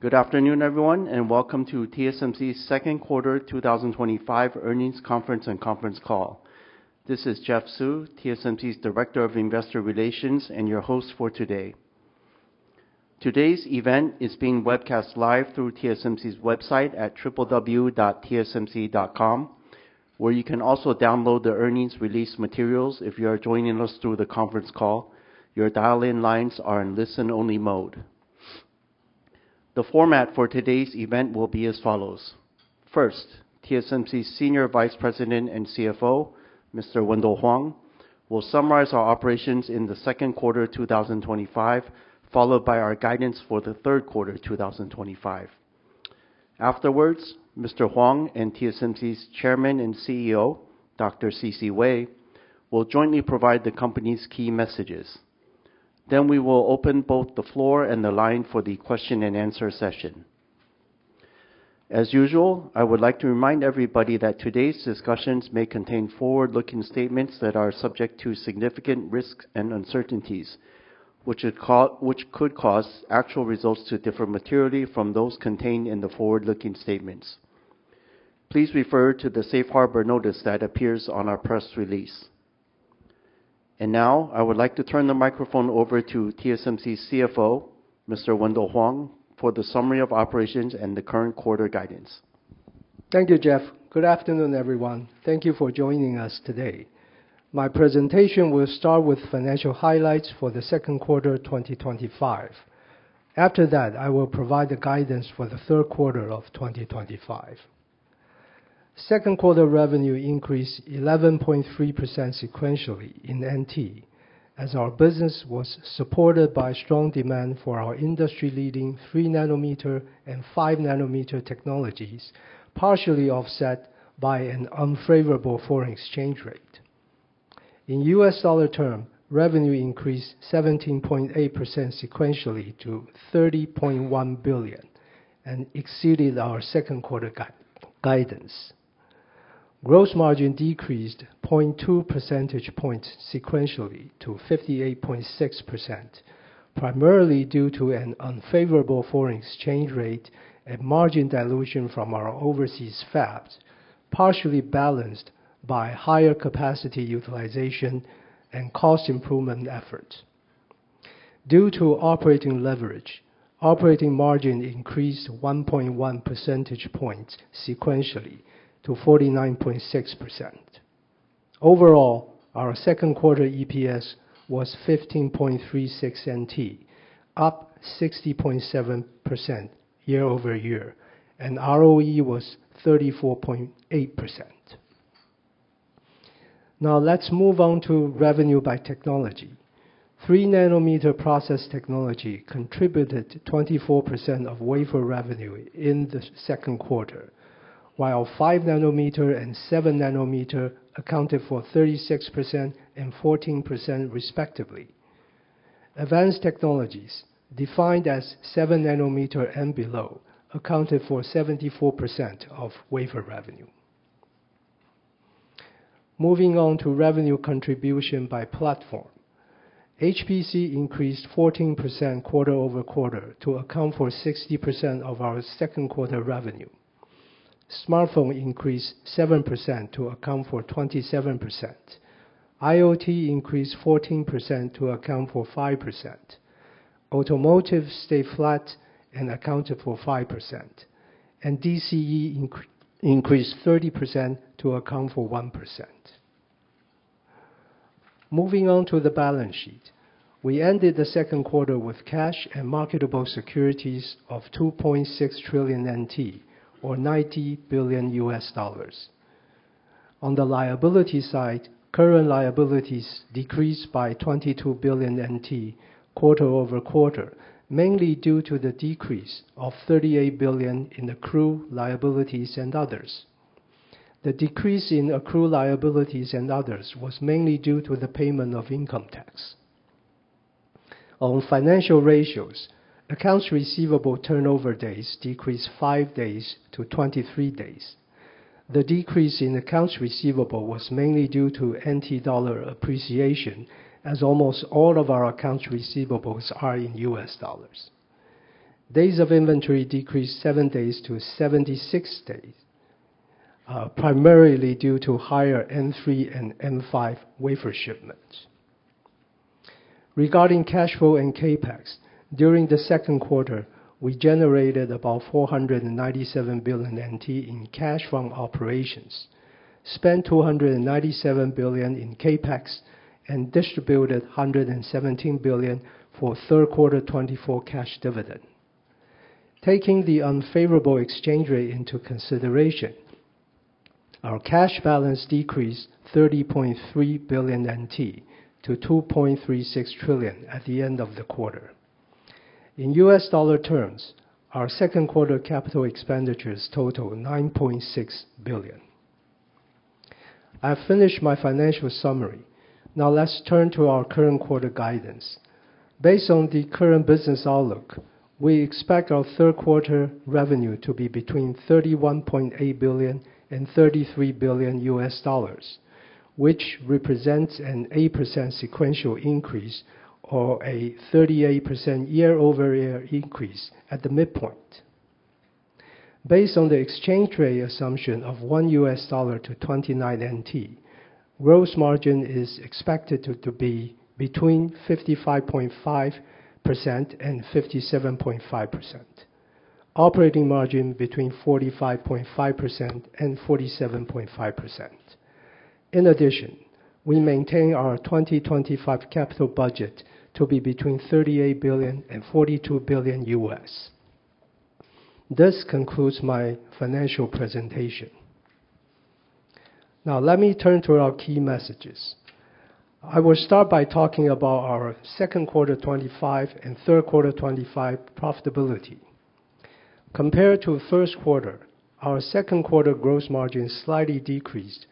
Good afternoon, everyone, and welcome to TSMC's second quarter 2025 earnings conference and conference call. This is Jeff Su, TSMC's Director of Investor Relations, and your host for today. Today's event is being webcast live through TSMC's website at www.tsmc.com, where you can also download the earnings release materials if you are joining us through the conference call. Your dial-in lines are in listen-only mode. The format for today's event will be as follows. First, TSMC's Senior Vice President and CFO, Mr. Wendell Huang, will summarize our operations in the second quarter 2025, followed by our guidance for the third quarter 2025. Afterwards, Mr. Huang and TSMC's Chairman and CEO, Dr. CC Wei, will jointly provide the company's key messages. We will open both the floor and the line for the question-and-answer session. As usual, I would like to remind everybody that today's discussions may contain forward-looking statements that are subject to significant risks and uncertainties, which could cause actual results to differ materially from those contained in the forward-looking statements. Please refer to the safe harbor notice that appears on our press release. I would like to turn the microphone over to TSMC's CFO, Mr. Wendell Huang, for the summary of operations and the current quarter guidance. Thank you, Jeff. Good afternoon, everyone. Thank you for joining us today. My presentation will start with financial highlights for the second quarter 2025. After that, I will provide the guidance for the third quarter of 2025. Second quarter revenue increased 11.3% sequentially in NT, as our business was supported by strong demand for our industry-leading 3-nanometer and 5-nanometer technologies, partially offset by an unfavorable foreign exchange rate. In US dollar terms, revenue increased 17.8% sequentially to $30.1 billion and exceeded our second quarter guidance. Gross margin decreased 0.2 percentage points sequentially to 58.6%, primarily due to an unfavorable foreign exchange rate and margin dilution from our overseas fabs, partially balanced by higher capacity utilization and cost improvement efforts. Due to operating leverage, operating margin increased 1.1 percentage points sequentially to 49.6%. Overall, our second quarter EPS was NT 15.36, up 60.7% year over year, and ROE was 34.8%. Now, let's move on to revenue by technology. 3-nanometer process technology contributed 24% of wafer revenue in the second quarter, while 5-nanometer and 7-nanometer accounted for 36% and 14% respectively. Advanced technologies, defined as 7-nanometer and below, accounted for 74% of wafer revenue. Moving on to revenue contribution by platform, HPC increased 14% quarter over quarter to account for 60% of our second quarter revenue. Smartphone increased 7% to account for 27%. IoT increased 14% to account for 5%. Automotive stayed flat and accounted for 5%, and DCE increased 30% to account for 1%. Moving on to the balance sheet, we ended the second quarter with cash and marketable securities of 2.6 trillion NT, or $90 billion. On the liability side, current liabilities decreased by 22 billion NT quarter over quarter, mainly due to the decrease of 38 billion in accrued liabilities and others. The decrease in accrued liabilities and others was mainly due to the payment of income tax. On financial ratios, accounts receivable turnover days decreased 5 days to 23 days. The decrease in accounts receivable was mainly due to NT dollar appreciation, as almost all of our accounts receivables are in US dollars. Days of inventory decreased 7 days to 76 days, primarily due to higher M3 and M5 wafer shipments. Regarding cash flow and CapEx, during the second quarter, we generated about 497 billion NT in cash from operations, spent 297 billion in CapEx, and distributed 117 billion for third quarter 2024 cash dividend. Taking the unfavorable exchange rate into consideration, our cash balance decreased 30.3 billion NT to 2.36 trillion at the end of the quarter. In US dollar terms, our second quarter capital expenditures totaled $9.6 billion. I've finished my financial summary. Now, let's turn to our current quarter guidance. Based on the current business outlook, we expect our third quarter revenue to be between $31.8 and $33 billion US dollars, which represents an 8% sequential increase or a 38% year over year increase at the midpoint. Based on the exchange rate assumption of $1 US dollar to NT 29, gross margin is expected to be between 55.5% and 57.5%, operating margin between 45.5% and 47.5%. In addition, we maintain our 2025 capital budget to be between $38 billion and $42 billion US. This concludes my financial presentation. Now, let me turn to our key messages. I will start by talking about our second quarter 2025 and third quarter 2025 profitability. Compared to first quarter, our second quarter gross margin slightly decreased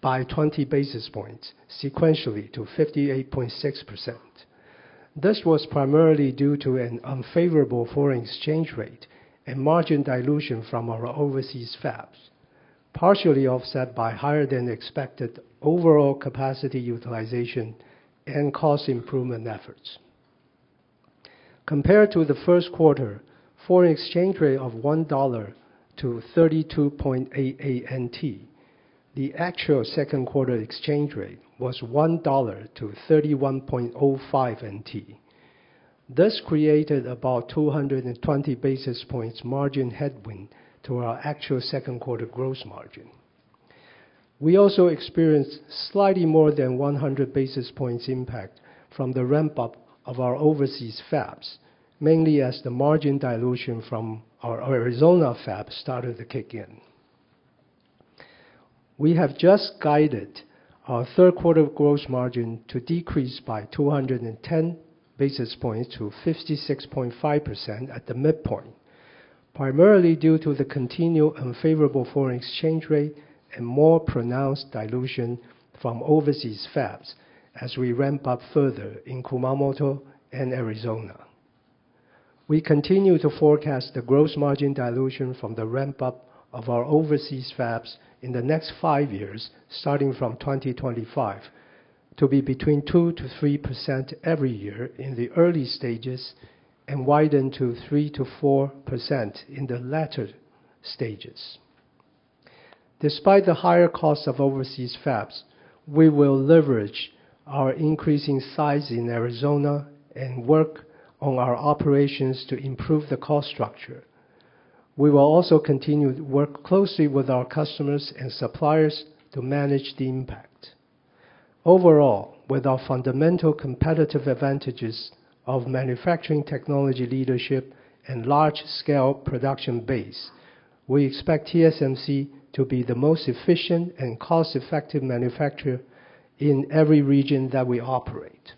by 20 basis points sequentially to 58.6%. This was primarily due to an unfavorable foreign exchange rate and margin dilution from our overseas fabs, partially offset by higher-than-expected overall capacity utilization and cost improvement efforts. Compared to the first quarter, foreign exchange rate of $1 to 32.88, the actual second quarter exchange rate was $1 to 31.05 NT. This created about 220 basis points margin headwind to our actual second quarter gross margin. We also experienced slightly more than 100 basis points impact from the ramp-up of our overseas fabs, mainly as the margin dilution from our Arizona fabs started to kick in. We have just guided our third quarter gross margin to decrease by 210 basis points to 56.5% at the midpoint, primarily due to the continued unfavorable foreign exchange rate and more pronounced dilution from overseas fabs as we ramp up further in Kumamoto and Arizona. We continue to forecast the gross margin dilution from the ramp-up of our overseas fabs in the next five years, starting from 2025, to be between 2%-3% every year in the early stages and widen to 3%-4% in the latter stages. Despite the higher cost of overseas fabs, we will leverage our increasing size in Arizona and work on our operations to improve the cost structure. We will also continue to work closely with our customers and suppliers to manage the impact. Overall, with our fundamental competitive advantages of manufacturing technology leadership and large-scale production base, we expect TSMC to be the most efficient and cost-effective manufacturer in every region that we operate.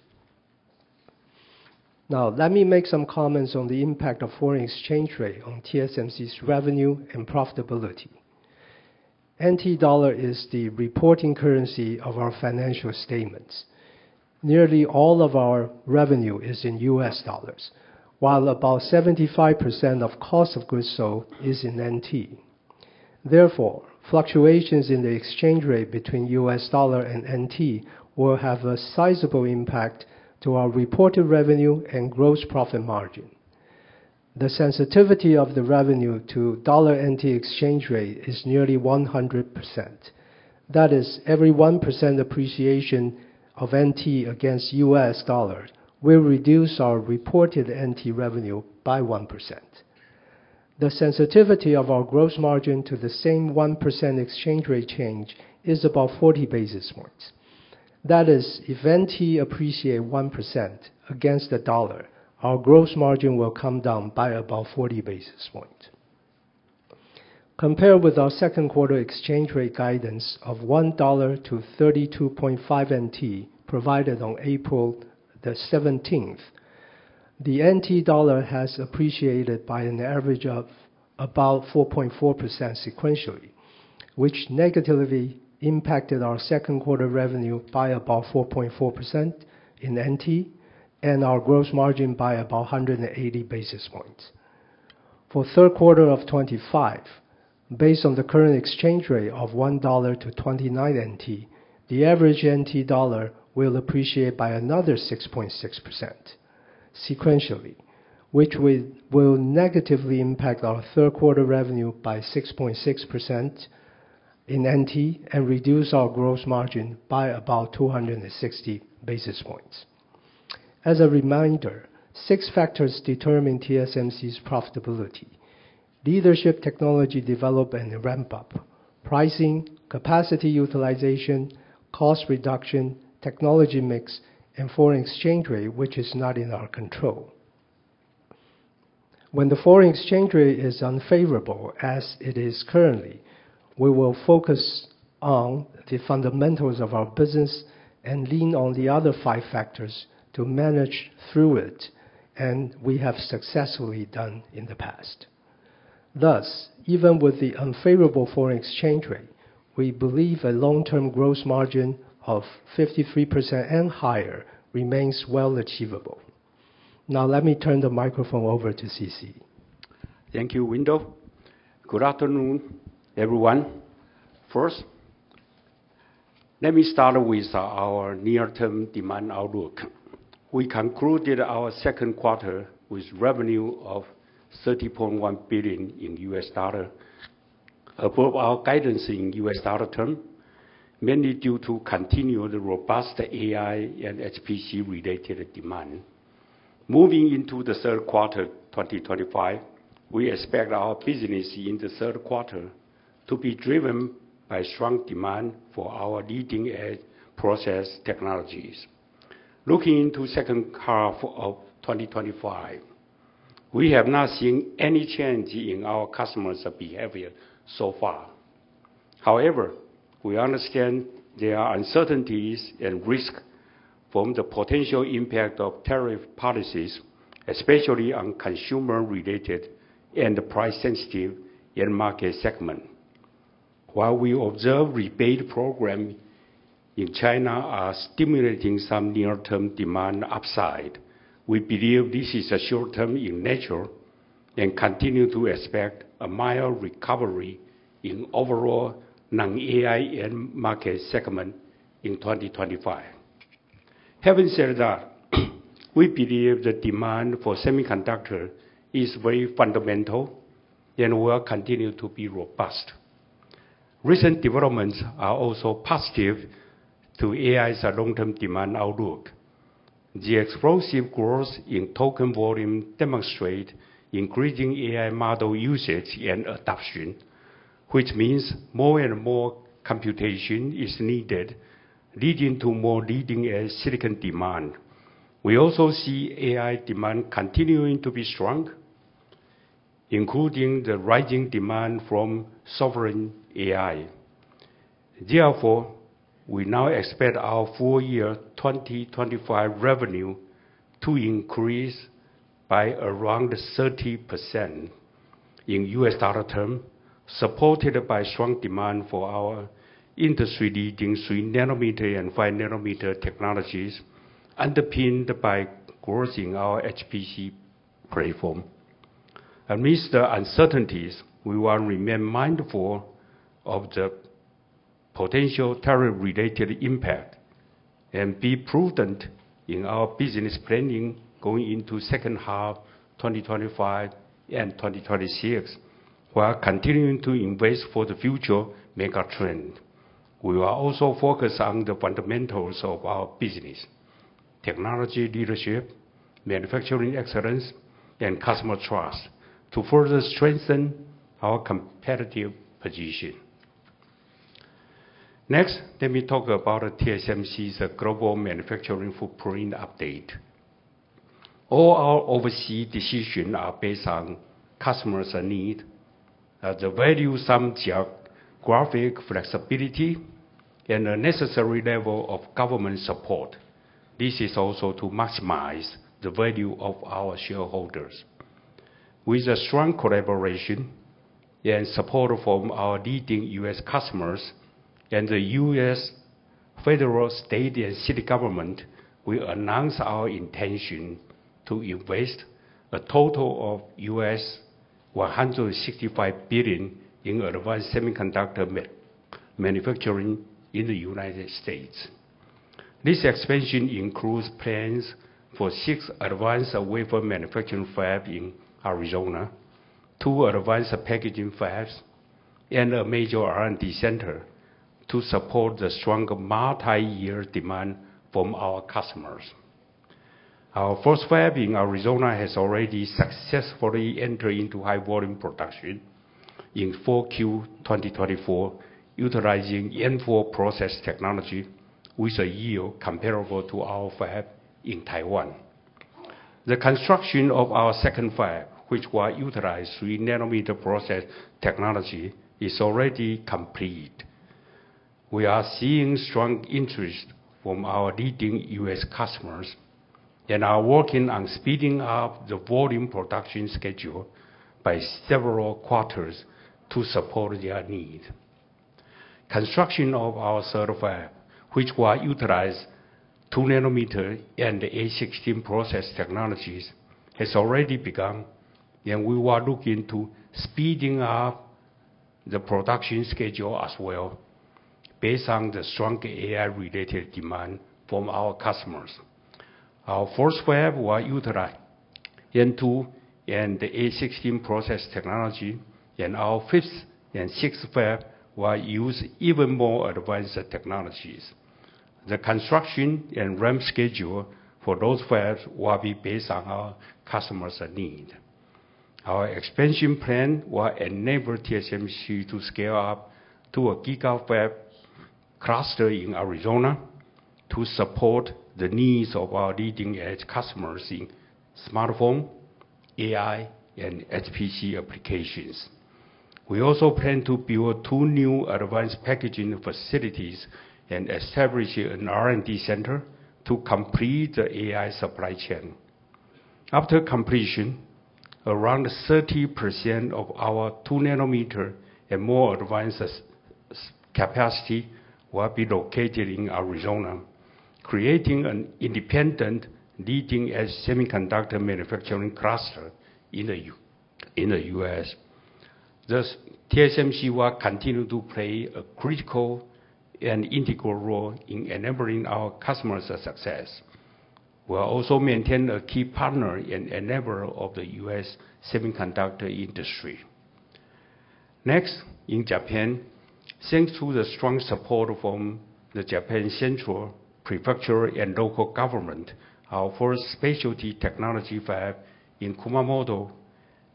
Now, let me make some comments on the impact of foreign exchange rate on TSMC's revenue and profitability. NT dollar is the reporting currency of our financial statements. Nearly all of our revenue is in US dollars, while about 75% of cost of goods sold is in NT. Therefore, fluctuations in the exchange rate between US dollar and NT will have a sizable impact on our reported revenue and gross profit margin. The sensitivity of the revenue to dollar NT exchange rate is nearly 100%. That is, every 1% appreciation of NT against US dollars will reduce our reported NT revenue by 1%. The sensitivity of our gross margin to the same 1% exchange rate change is about 40 basis points. That is, if NT appreciates 1% against the dollar, our gross margin will come down by about 40 basis points. Compared with our second quarter exchange rate guidance of $1 to NT 32.5 provided on April 17, the NT dollar has appreciated by an average of about 4.4% sequentially, which negatively impacted our second quarter revenue by about 4.4% in NT and our gross margin by about 180 basis points. For third quarter of 2025, based on the current exchange rate of $1 to NT 29, the average NT dollar will appreciate by another 6.6% sequentially, which will negatively impact our third quarter revenue by 6.6% in NT and reduce our gross margin by about 260 basis points. As a reminder, six factors determine TSMC's profitability: leadership, technology development and ramp-up, pricing, capacity utilization, cost reduction, technology mix, and foreign exchange rate, which is not in our control. When the foreign exchange rate is unfavorable as it is currently, we will focus on the fundamentals of our business and lean on the other five factors to manage through it, and we have successfully done in the past. Thus, even with the unfavorable foreign exchange rate, we believe a long-term gross margin of 53% and higher remains well achievable. Now, let me turn the microphone over to CC. Thank you, Wendell. Good afternoon, everyone. First, let me start with our near-term demand outlook. We concluded our second quarter with revenue of $30.1 billion in US dollars above our guidance in US dollar term, mainly due to continued robust AI and HPC-related demand. Moving into the third quarter 2025, we expect our business in the third quarter to be driven by strong demand for our leading-edge process technologies. Looking into second quarter of 2025, we have not seen any change in our customers' behavior so far. However, we understand there are uncertainties and risks from the potential impact of tariff policies, especially on consumer-related and price-sensitive end market segments. While we observe rebate programs in China are stimulating some near-term demand upside, we believe this is short-term in nature and continue to expect a mild recovery in overall non-AI end market segment in 2025. Having said that, we believe the demand for semiconductors is very fundamental and will continue to be robust. Recent developments are also positive to AI's long-term demand outlook. The explosive growth in token volume demonstrates increasing AI model usage and adoption, which means more and more computation is needed, leading to more leading-edge silicon demand. We also see AI demand continuing to be strong, including the rising demand from sovereign AI. Therefore, we now expect our full-year 2025 revenue to increase by around 30% in US dollar term, supported by strong demand for our industry-leading 3-nanometer and 5-nanometer technologies, underpinned by growth in our HPC platform. Amidst the uncertainties, we will remain mindful of the potential tariff-related impact and be prudent in our business planning going into second half 2025 and 2026 while continuing to invest for the future megatrend. We will also focus on the fundamentals of our business: technology leadership, manufacturing excellence, and customer trust to further strengthen our competitive position. Next, let me talk about TSMC's global manufacturing footprint update. All our overseas decisions are based on customers' needs, the value sum geographic flexibility, and the necessary level of government support. This is also to maximize the value of our shareholders. With the strong collaboration and support from our leading U.S. customers and the U.S. federal, state, and city government, we announced our intention to invest a total of $165 billion in advanced semiconductor manufacturing in the United States. This expansion includes plans for six advanced wafer manufacturing fabs in Arizona, two advanced packaging fabs, and a major R&D center to support the stronger multi-year demand from our customers. Our first fab in Arizona has already successfully entered into high-volume production in Q4 2024, utilizing N4 process technology with a yield comparable to our fab in Taiwan. The construction of our second fab, which will utilize 3-nanometer process technology, is already complete. We are seeing strong interest from our leading US customers and are working on speeding up the volume production schedule by several quarters to support their needs. Construction of our third fab, which will utilize 2-nanometer and A16 process technologies, has already begun, and we are looking to speed up the production schedule as well based on the strong AI-related demand from our customers. Our first fab will utilize N2 and A16 process technology, and our fifth and sixth fab will use even more advanced technologies. The construction and ramp schedule for those fabs will be based on our customers' needs. Our expansion plan will enable TSMC to scale up to a gigafab cluster in Arizona to support the needs of our leading-edge customers in smartphone, AI, and HPC applications. We also plan to build two new advanced packaging facilities and establish an R&D center to complete the AI supply chain. After completion, around 30% of our 2-nanometer and more advanced capacity will be located in Arizona, creating an independent leading-edge semiconductor manufacturing cluster in the US. Thus, TSMC will continue to play a critical and integral role in enabling our customers' success. We will also maintain a key partner and enabler of the US semiconductor industry. Next, in Japan, thanks to the strong support from the Japan Central Prefecture and local government, our first specialty technology fab in Kumamoto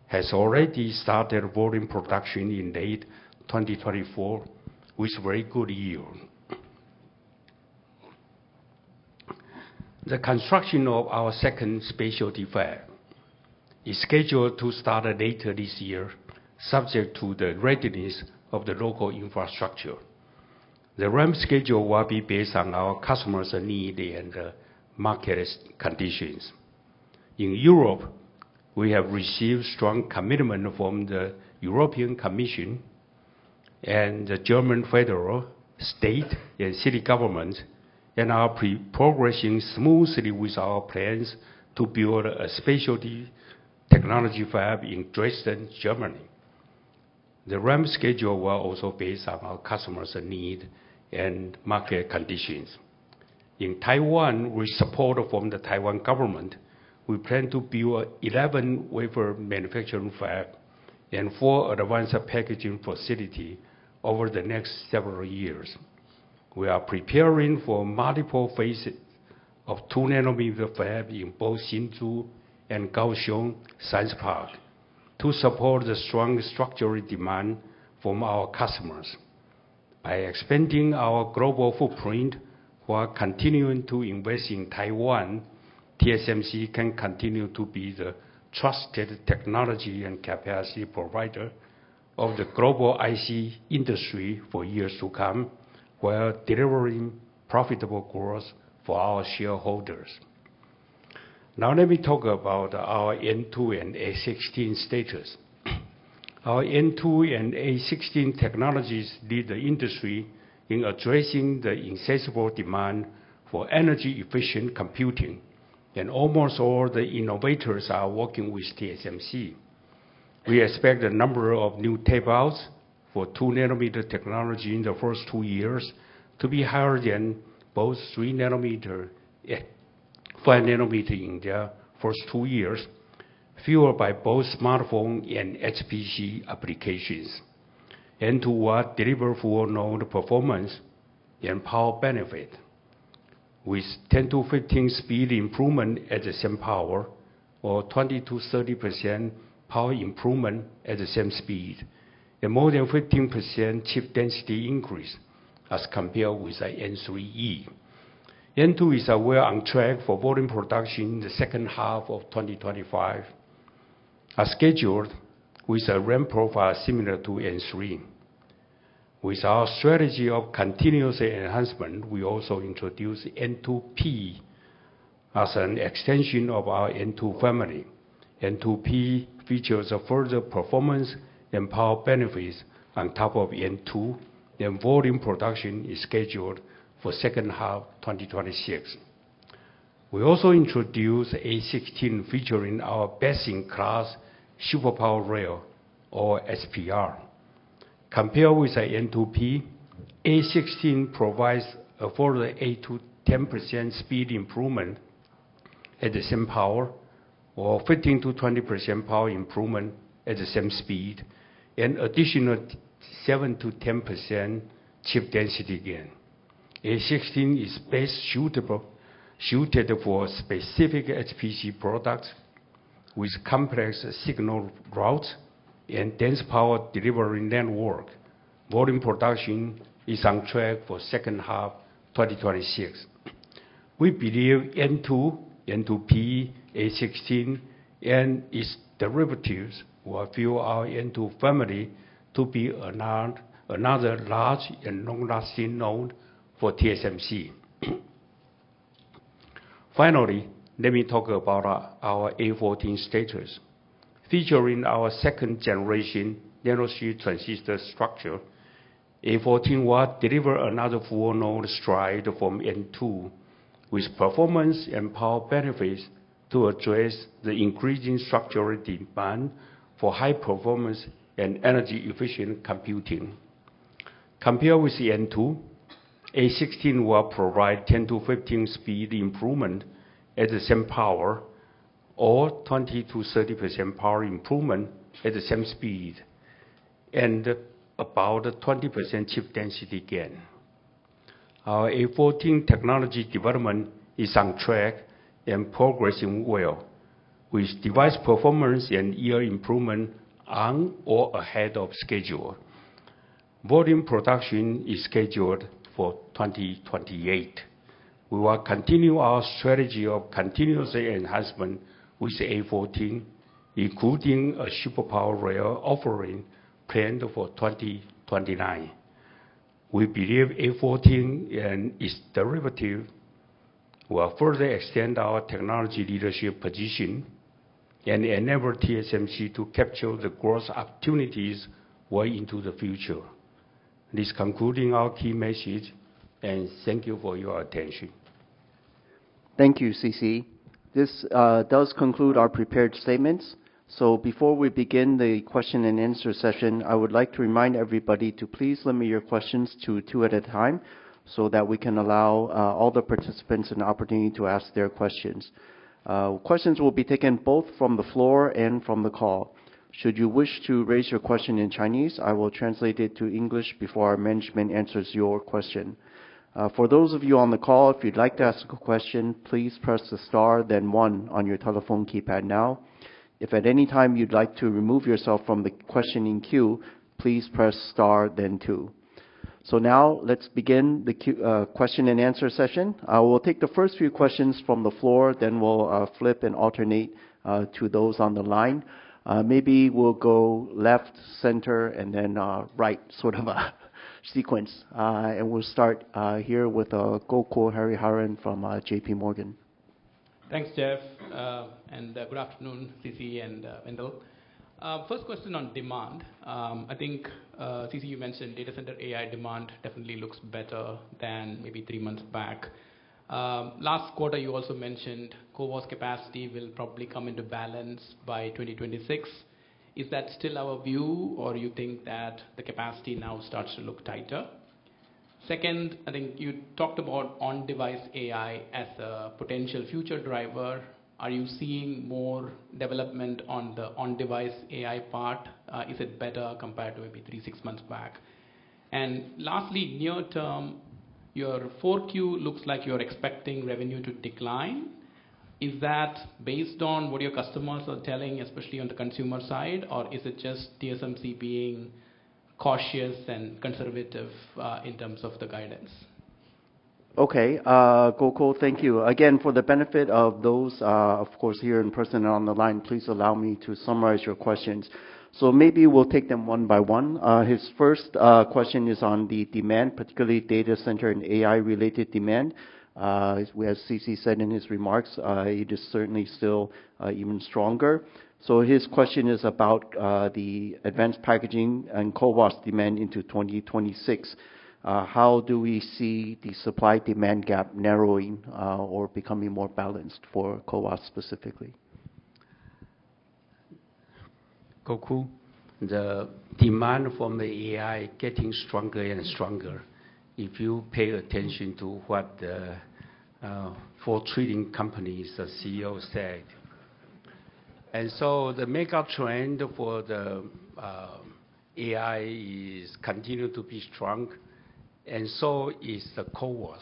has already started volume production in late 2024 with very good yield. The construction of our second specialty fab is scheduled to start later this year, subject to the readiness of the local infrastructure. The ramp schedule will be based on our customers' needs and market conditions. In Europe, we have received strong commitment from the European Commission and the German federal, state, and city governments, and are progressing smoothly with our plans to build a specialty technology fab in Dresden, Germany. The ramp schedule will also be based on our customers' needs and market conditions. In Taiwan, with support from the Taiwan government, we plan to build 11 wafer manufacturing fabs and four advanced packaging facilities over the next several years. We are preparing for multiple phases of 2-nanometer fabs in both Hsinchu and Kaohsiung Science Park to support the strong structural demand from our customers. By expanding our global footprint while continuing to invest in Taiwan, TSMC can continue to be the trusted technology and capacity provider of the global IC industry for years to come, while delivering profitable growth for our shareholders. Now, let me talk about our N2 and A16 status. Our N2 and A16 technologies lead the industry in addressing the insatiable demand for energy-efficient computing, and almost all the innovators are working with TSMC. We expect a number of new tables for 2-nanometer technology in the first two years to be higher than both 3-nanometer and 5-nanometer in the first two years, fueled by both smartphone and HPC applications. N2 will deliver full-load performance and power benefits, with 10%-15% speed improvements at the same power, or 20%-30% power improvement at the same speed, and more than 15% chip density increase as compared with N3E. N2 is well on track for volume production in the second half of 2025, as scheduled, with a ramp profile similar to N3. With our strategy of continuous enhancement, we also introduce N2P as an extension of our N2 family. N2P features further performance and power benefits on top of N2, and volume production is scheduled for second half 2026. We also introduce A16, featuring our best-in-class super power rail, or SPR. Compared with N2P, A16 provides a further 8%-10% speed improvement at the same power, or 15%-20% power improvement at the same speed, and additional 7%-10% chip density gain. A16 is best suited for specific HPC products with complex signal routes and dense power delivery network. Volume production is on track for second half 2026. We believe N2, N2P, A16, and its derivatives will fuel our N2 family to be another large and long-lasting node for TSMC. Finally, let me talk about our A14 status. Featuring our second-generation nanosheet transistor structure, A14 will deliver another full-load stride from N2, with performance and power benefits to address the increasing structural demand for high-performance and energy-efficient computing. Compared with N2, A16 will provide 10-15% speed improvement at the same power, or 20%-30% power improvement at the same speed, and about 20% chip density gain. Our A14 technology development is on track and progressing well, with device performance and yield improvement on or ahead of schedule. Volume production is scheduled for 2028. We will continue our strategy of continuous enhancement with A14, including a super power rail offering planned for 2029. We believe A14 and its derivatives will further extend our technology leadership position and enable TSMC to capture the growth opportunities well into the future. This concludes our key message, and thank you for your attention. Thank you, CC. This does conclude our prepared statements. Before we begin the question-and-answer session, I would like to remind everybody to please limit your questions to two at a time so that we can allow all the participants an opportunity to ask their questions. Questions will be taken both from the floor and from the call. Should you wish to raise your question in Chinese, I will translate it to English before our management answers your question. For those of you on the call, if you'd like to ask a question, please press the star, then one on your telephone keypad now. If at any time you'd like to remove yourself from the questioning queue, please press star, then two. Now let's begin the question-and-answer session. I will take the first few questions from the floor, then we'll flip and alternate to those on the line. Maybe we'll go left, center, and then right, sort of a sequence. We'll start here with Gokul Hariharan from JPMorgan. Thanks, Jeff. Good afternoon, CC and Wendell. First question on demand. I think, CC, you mentioned data center AI demand definitely looks better than maybe three months back. Last quarter, you also mentioned CoWoS capacity will probably come into balance by 2026. Is that still our view, or do you think that the capacity now starts to look tighter? Second, I think you talked about on-device AI as a potential future driver. Are you seeing more development on the on-device AI part? Is it better compared to maybe three, six months back? Lastly, near term, your Q4 looks like you're expecting revenue to decline. Is that based on what your customers are telling, especially on the consumer side, or is it just TSMC being cautious and conservative in terms of the guidance? Okay. Gokul, thank you. Again, for the benefit of those, of course, here in person and on the line, please allow me to summarize your questions. Maybe we'll take them one by one. His first question is on the demand, particularly data center and AI-related demand. As CC said in his remarks, it is certainly still even stronger. His question is about the advanced packaging and CoWoS demand into 2026. How do we see the supply-demand gap narrowing or becoming more balanced for CoWoS specifically? Gokul, the demand from the AI is getting stronger and stronger. If you pay attention to what the four trading companies' CEOs said. The makeup trend for the AI continues to be strong, and so is the CoWoS.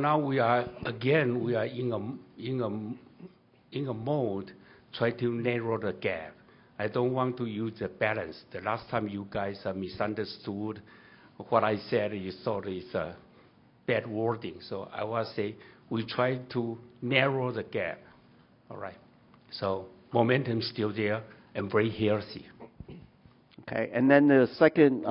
Now we are, again, we are in a mode trying to narrow the gap. I do not want to use the balance. The last time you guys misunderstood what I said, you thought it is a bad wording. I will say we try to narrow the gap. All right. Momentum is still there and very healthy. Okay. The second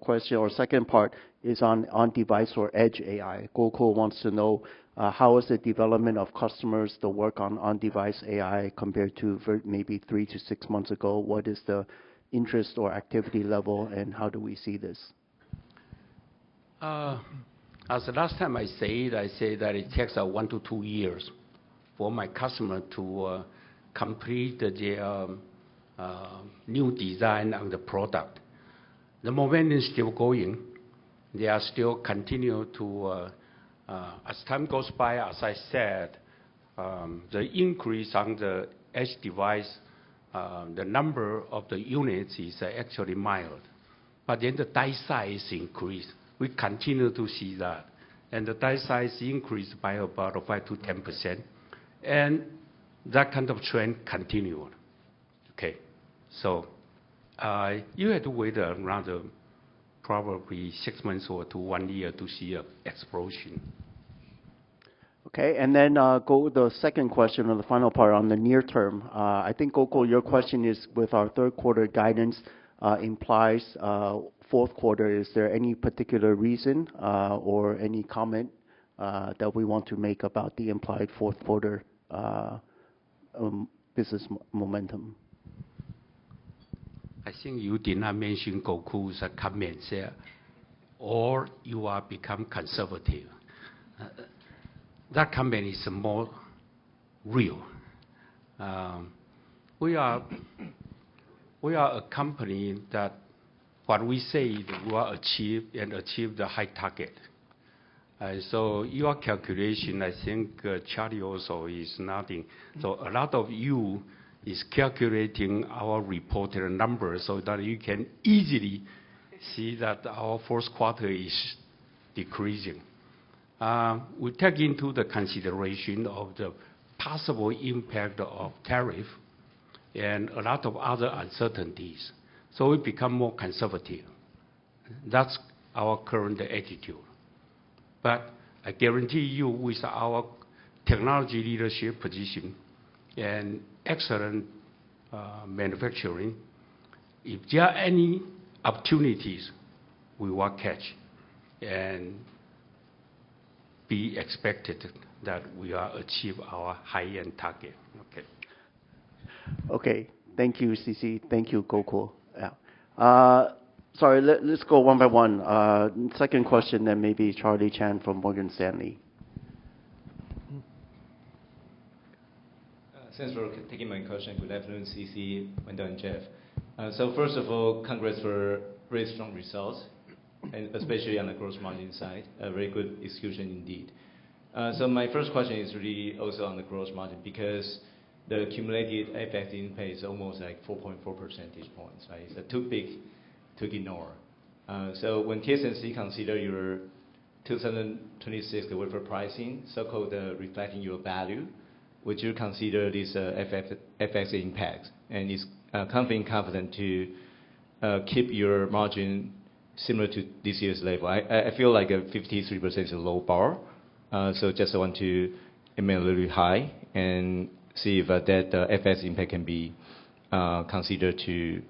question or second part is on on-device or edge AI. Gokul wants to know how is the development of customers to work on on-device AI compared to maybe three to six months ago? What is the interest or activity level, and how do we see this? As the last time I said, I said that it takes one to two years for my customer to complete their new design on the product. The momentum is still going. They are still continuing to, as time goes by, as I said, the increase on the edge device, the number of the units is actually mild. The die size increased. We continue to see that. The die size increased by about 5%-10%. That kind of trend continued. You have to wait around probably six months or to one year to see an explosion. The second question or the final part on the near term. I think, Gokul, your question is with our third quarter guidance implies fourth quarter. Is there any particular reason or any comment that we want to make about the implied fourth quarter business momentum? I think you did not mention Gokul's comment there, or you will become conservative. That comment is more real. We are a company that what we say we will achieve and achieve the high target. Your calculation, I think Charlie also is nodding. A lot of you are calculating our reported numbers so that you can easily see that our fourth quarter is decreasing. We take into consideration the possible impact of tariffs and a lot of other uncertainties. We become more conservative. That is our current attitude. I guarantee you, with our technology leadership position and excellent manufacturing, if there are any opportunities, we will catch and be expected that we will achieve our high-end target. Okay. Okay. Thank you, CC. Thank you, Gokul. Sorry. Let's go one by one. Second question, then maybe Charlie Chan from Morgan Stanley. Thanks for taking my question. Good afternoon, CC, Wendell, and Jeff. First of all, congrats for really strong results, especially on the gross margin side. Very good execution indeed. My first question is really also on the gross margin because the accumulated effect input is almost like 4.4 percentage points. It is too big to ignore. When TSMC considers your 2026 delivery pricing, so-called reflecting your value, would you consider this effect impact and is conveying confidence to keep your margin similar to this year's level? I feel like 53% is a low bar. I just want to make it a little high and see if that effect impact can be considered to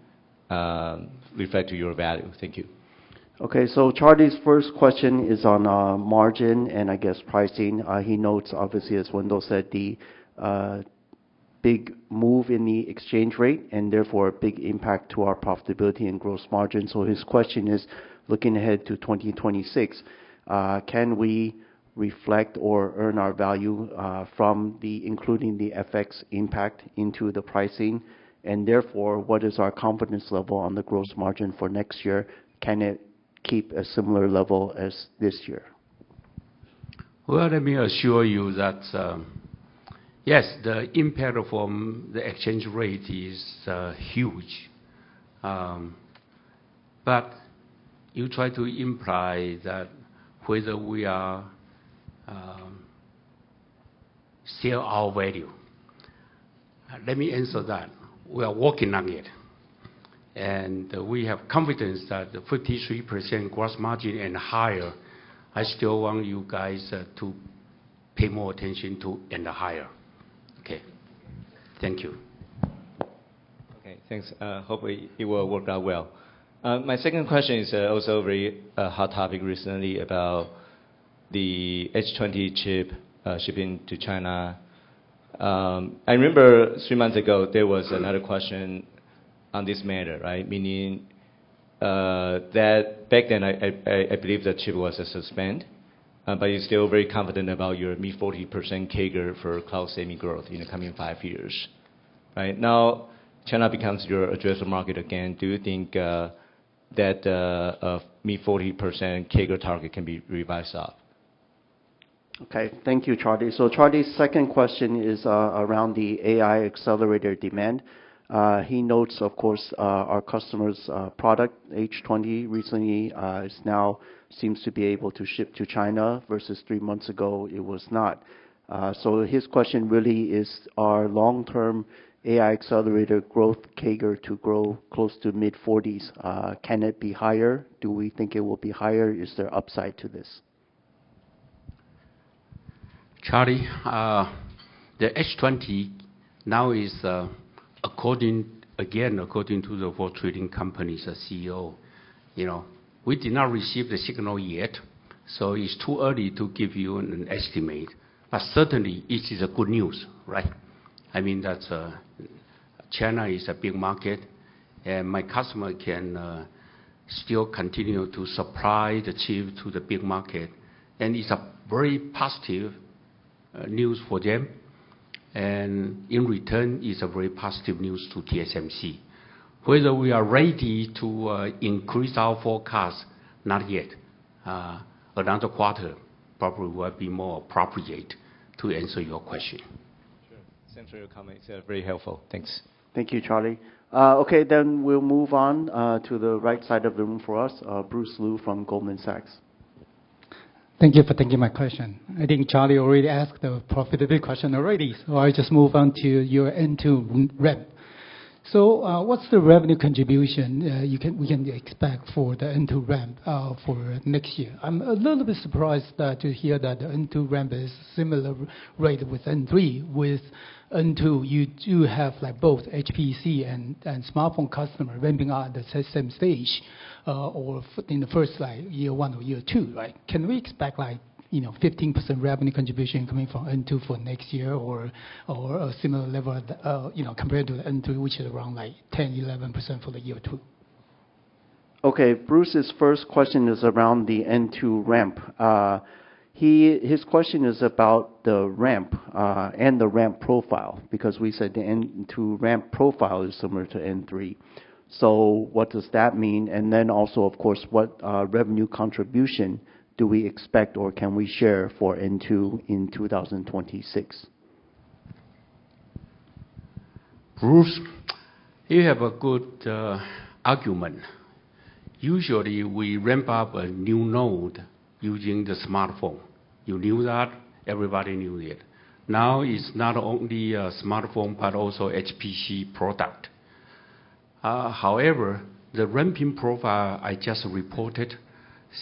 reflect your value. Thank you. Okay. Charlie's first question is on margin and, I guess, pricing. He notes, obviously, as Wendell said, the big move in the exchange rate and therefore a big impact to our profitability and gross margin. His question is, looking ahead to 2026, can we reflect or earn our value from including the effect impact into the pricing? Therefore, what is our confidence level on the gross margin for next year? Can it keep a similar level as this year? Let me assure you that, yes, the impact from the exchange rate is huge. You try to imply that whether we are still our value. Let me answer that. We are working on it. We have confidence that the 53% gross margin and higher, I still want you guys to pay more attention to and higher. Okay. Thank you. Okay. Thanks. Hopefully, it will work out well. My second question is also a very hot topic recently about the H20 chip shipping to China. I remember three months ago, there was another question on this matter, right? Meaning that back then, I believe the chip was suspended, but you're still very confident about your mid-40% CAGR for cloud saving growth in the coming five years, right? Now, China becomes your addressable market again. Do you think that mid-40% CAGR target can be revised up? Okay. Thank you, Charlie. Charlie's second question is around the AI accelerator demand. He notes, of course, our customers' product, H20, recently now seems to be able to ship to China versus three months ago, it was not. His question really is, our long-term AI accelerator growth CAGR to grow close to mid-40%, can it be higher? Do we think it will be higher? Is there upside to this? Charlie, the H20 now is, again, according to the four trading companies' CEO, we did not receive the signal yet. It is too early to give you an estimate. Certainly, it is good news, right? I mean, China is a big market, and my customer can still continue to supply the chip to the big market. It is very positive news for them. In return, it is very positive news to TSMC. Whether we are ready to increase our forecast, not yet. Another quarter probably will be more appropriate to answer your question. Sure. Thanks for your comments. Very helpful. Thanks. Thank you, Charlie. Okay. We will move on to the right side of the room for us. Bruce Lu from Goldman Sachs. Thank you for taking my question. I think Charlie already asked the profitability question already. I will just move on to your N2 REM. What's the revenue contribution we can expect for the N2 ramp for next year? I'm a little bit surprised to hear that the N2 ramp is a similar rate with N3. With N2, you do have both HPC and smartphone customers ramping up at the same stage or in the first year, one or year two, right? Can we expect 15% revenue contribution coming from N2 for next year or a similar level compared to N3, which is around 10%-11% for the year two? Okay. Bruce's first question is around the N2 ramp. His question is about the ramp and the ramp profile because we said the N2 ramp profile is similar to N3. What does that mean? Also, of course, what revenue contribution do we expect or can we share for N2 in 2026? Bruce, you have a good argument. Usually, we ramp up a new node using the smartphone. You knew that. Everybody knew it. Now, it's not only a smartphone, but also HPC product. However, the ramping profile I just reported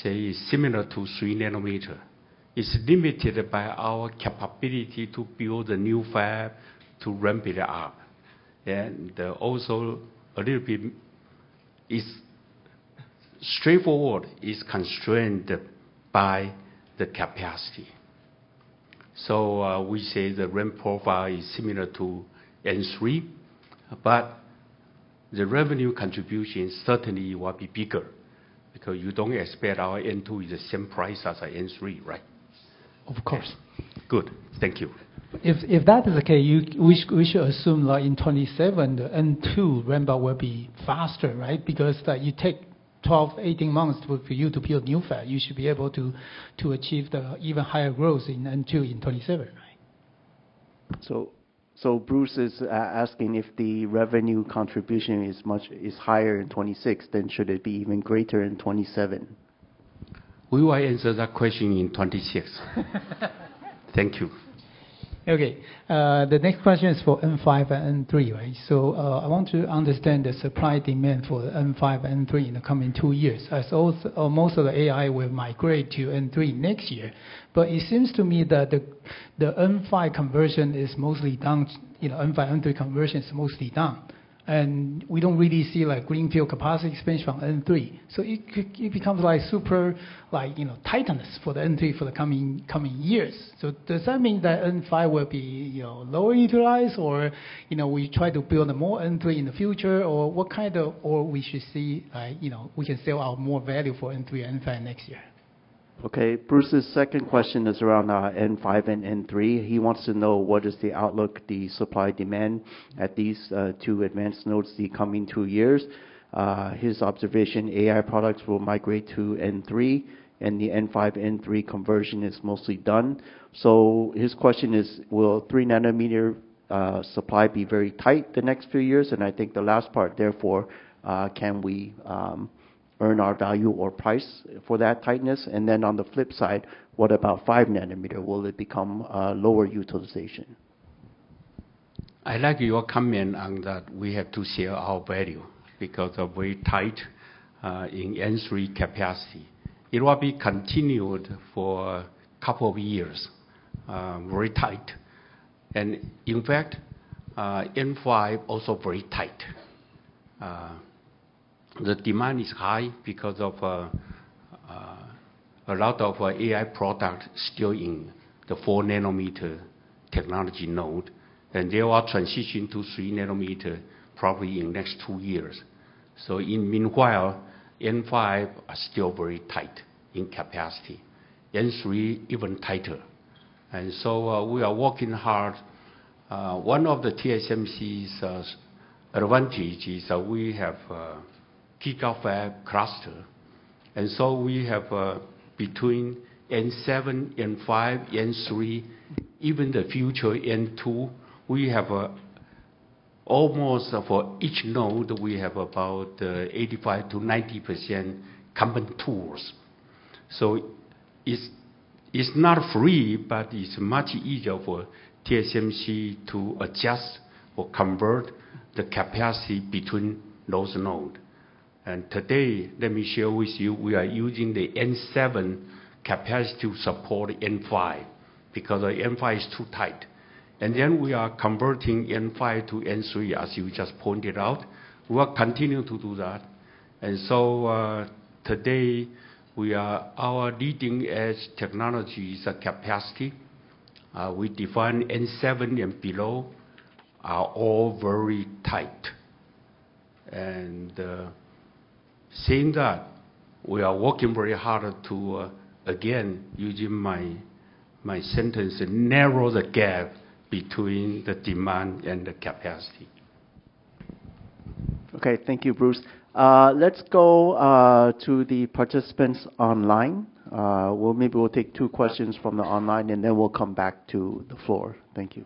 is similar to 3-nanometer. It's limited by our capability to build a new fab to ramp it up. Also, a little bit, straightforward, it's constrained by the capacity. We say the ramp profile is similar to N3, but the revenue contribution certainly will be bigger because you don't expect our N2 is the same price as our N3, right? Of course. Good. Thank you. If that is the case, we should assume that in 2027, the N2 ramp will be faster, right? Because you take 12-18 months for you to build new fab. You should be able to achieve even higher growth in N2 in 2027, right? Bruce is asking if the revenue contribution is higher in 2026, then should it be even greater in 2027? We will answer that question in 2026. Thank you. The next question is for N5 and N3, right? I want to understand the supply demand for N5 and N3 in the coming two years. Most of the AI will migrate to N3 next year. It seems to me that the N5 conversion is mostly done. N5, N3 conversion is mostly done. We do not really see greenfield capacity expansion from N3. It becomes super tightness for the N3 for the coming years. Does that mean that N5 will be lower utilized, or we try to build more N3 in the future, or what kind of, or we should see we can sell out more value for N3 and N5 next year? Bruce's second question is around N5 and N3. He wants to know what is the outlook, the supply demand at these two advanced nodes in the coming two years. His observation, AI products will migrate to N3, and the N5, N3 conversion is mostly done. His question is, will 3-nanometer supply be very tight the next few years? I think the last part, therefore, can we earn our value or price for that tightness? On the flip side, what about 5-nanometer? Will it become lower utilization? I like your comment on that we have to share our value because of very tight in N3 capacity. It will be continued for a couple of years, very tight. In fact, N5 also very tight. The demand is high because of a lot of AI products still in the 4-nanometer technology node. They will transition to 3-nanometer probably in the next two years. In the meanwhile, N5 is still very tight in capacity. N3, even tighter. We are working hard. One of TSMC's advantages is that we have a gigafab cluster. We have between N7, N5, N3, even the future N2, we have almost for each node about 85%-90% common tools. It is not free, but it is much easier for TSMC to adjust or convert the capacity between those nodes. Today, let me share with you, we are using the N7 capacity to support N5 because N5 is too tight. We are converting N5 to N3, as you just pointed out. We will continue to do that. Today, our leading-edge technology is a capacity. We define N7 and below are all very tight. Seeing that, we are working very hard to, again, using my sentence, narrow the gap between the demand and the capacity. Okay. Thank you, Bruce. Let's go to the participants online. Maybe we'll take two questions from the online, and then we'll come back to the floor. Thank you.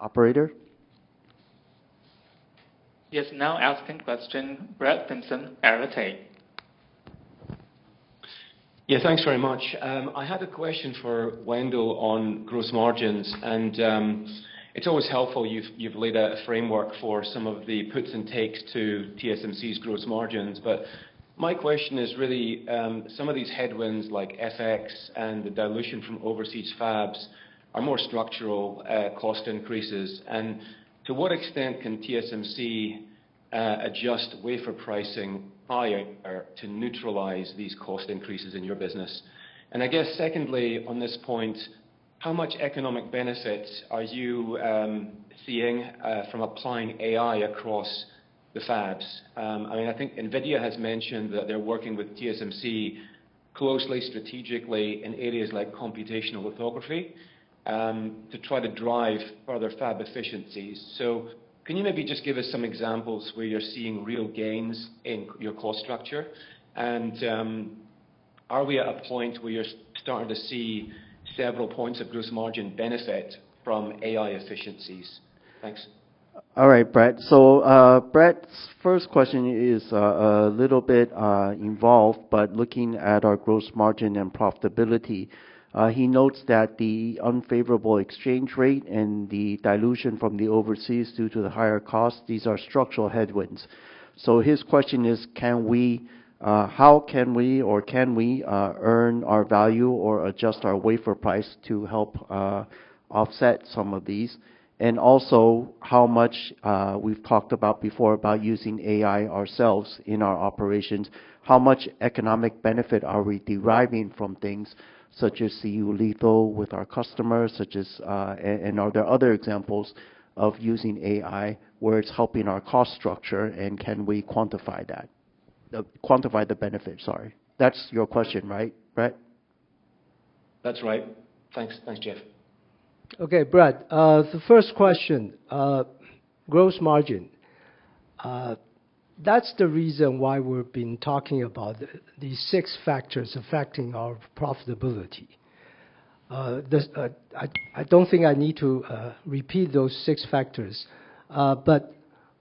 Operator? Yes. Now asking question, Brett Simpson, Arete. Yeah. Thanks very much. I had a question for Wendell on gross margins. And it's always helpful. You've laid out a framework for some of the puts and takes to TSMC's gross margins. But my question is really, some of these headwinds like FX and the dilution from overseas fabs are more structural cost increases. To what extent can TSMC adjust wafer pricing higher to neutralize these cost increases in your business? I guess, secondly, on this point, how much economic benefits are you seeing from applying AI across the fabs? I mean, I think NVIDIA has mentioned that they're working with TSMC closely strategically in areas like computational lithography to try to drive further fab efficiencies. Can you maybe just give us some examples where you're seeing real gains in your cost structure? Are we at a point where you're starting to see several points of gross margin benefit from AI efficiencies? Thanks. All right, Brett. Brett's first question is a little bit involved, but looking at our gross margin and profitability, he notes that the unfavorable exchange rate and the dilution from the overseas due to the higher costs, these are structural headwinds. His question is, how can we or can we earn our value or adjust our wafer price to help offset some of these? Also, how much we've talked about before about using AI ourselves in our operations, how much economic benefit are we deriving from things such as CU Lethal with our customers? Are there other examples of using AI where it's helping our cost structure? Can we quantify that? Quantify the benefit, sorry. That's your question, right? Brett? That's right. Thanks, Jeff. Okay, Brett. The first question, gross margin. That's the reason why we've been talking about these six factors affecting our profitability. I don't think I need to repeat those six factors.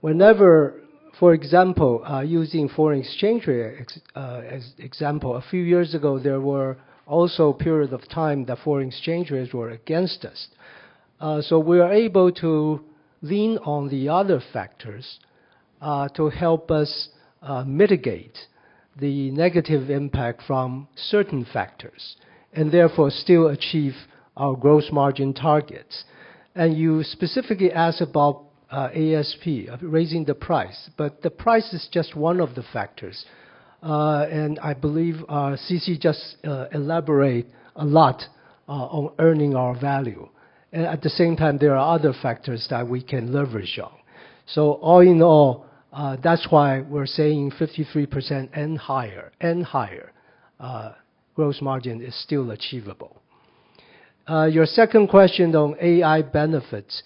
Whenever, for example, using foreign exchange rate as an example, a few years ago, there were also periods of time that foreign exchange rates were against us. We are able to lean on the other factors to help us mitigate the negative impact from certain factors and therefore still achieve our gross margin targets. You specifically asked about ASP, raising the price. The price is just one of the factors. I believe CC just elaborated a lot on earning our value. At the same time, there are other factors that we can leverage on. All in all, that is why we are saying 53% and higher, and higher gross margin is still achievable. Your second question on AI benefits,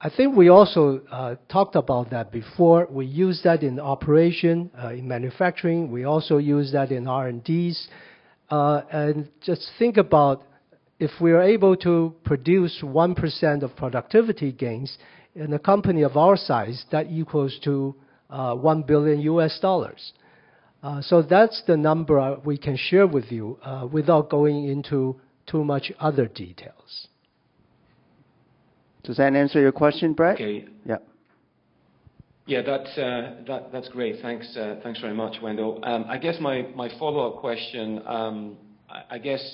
I think we also talked about that before. We use that in operation, in manufacturing. We also use that in R&D. Just think about if we are able to produce 1% of productivity gains in a company of our size, that equals to $1 billion. That's the number we can share with you without going into too much other details. Does that answer your question, Brett? Okay. Yeah. Yeah, that's great. Thanks very much, Wendell. I guess my follow-up question,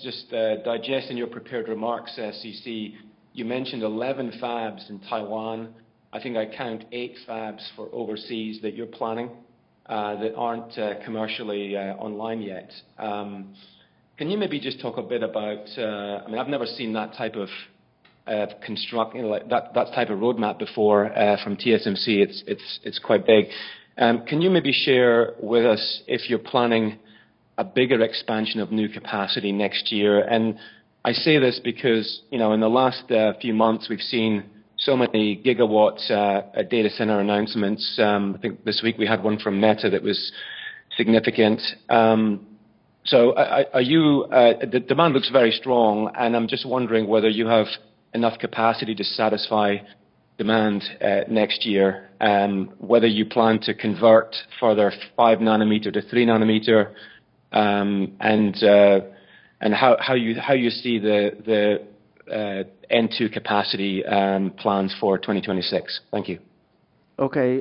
just digesting your prepared remarks, CC, you mentioned 11 fabs in Taiwan. I think I count eight fabs for overseas that you're planning that aren't commercially online yet. Can you maybe just talk a bit about, I mean, I've never seen that type of construct, that type of roadmap before from TSMC. It's quite big. Can you maybe share with us if you're planning a bigger expansion of new capacity next year? I say this because in the last few months, we've seen so many gigawatts at data center announcements. I think this week we had one from Meta that was significant. The demand looks very strong. I'm just wondering whether you have enough capacity to satisfy demand next year, whether you plan to convert further 5-nanometer to 3-nanometer, and how you see the N2 capacity plans for 2026. Thank you. Okay.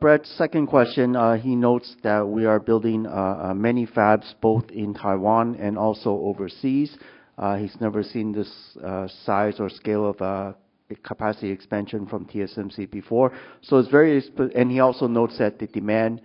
Brett, second question, he notes that we are building many fabs both in Taiwan and also overseas. He's never seen this size or scale of capacity expansion from TSMC before. It is very—and he also notes that the demand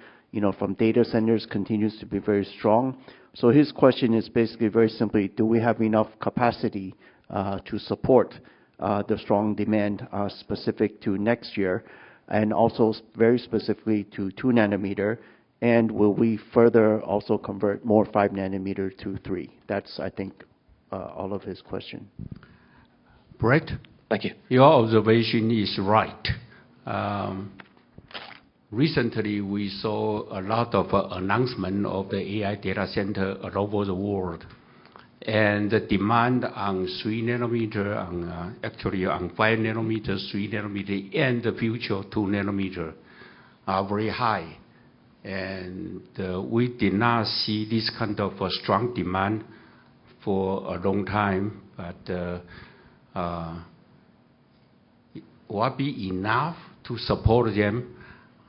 from data centers continues to be very strong. His question is basically very simply, do we have enough capacity to support the strong demand specific to next year and also very specifically to 2-nanometer? And will we further also convert more 5-nanometer to 3? That's, I think, all of his question. Brett? Thank you. Your observation is right. Recently, we saw a lot of announcements of the AI data center all over the world. The demand on 3-nanometer, actually on 5-nanometer, 3-nanometer, and the future 2-nanometer are very high. We did not see this kind of strong demand for a long time. Will it be enough to support them?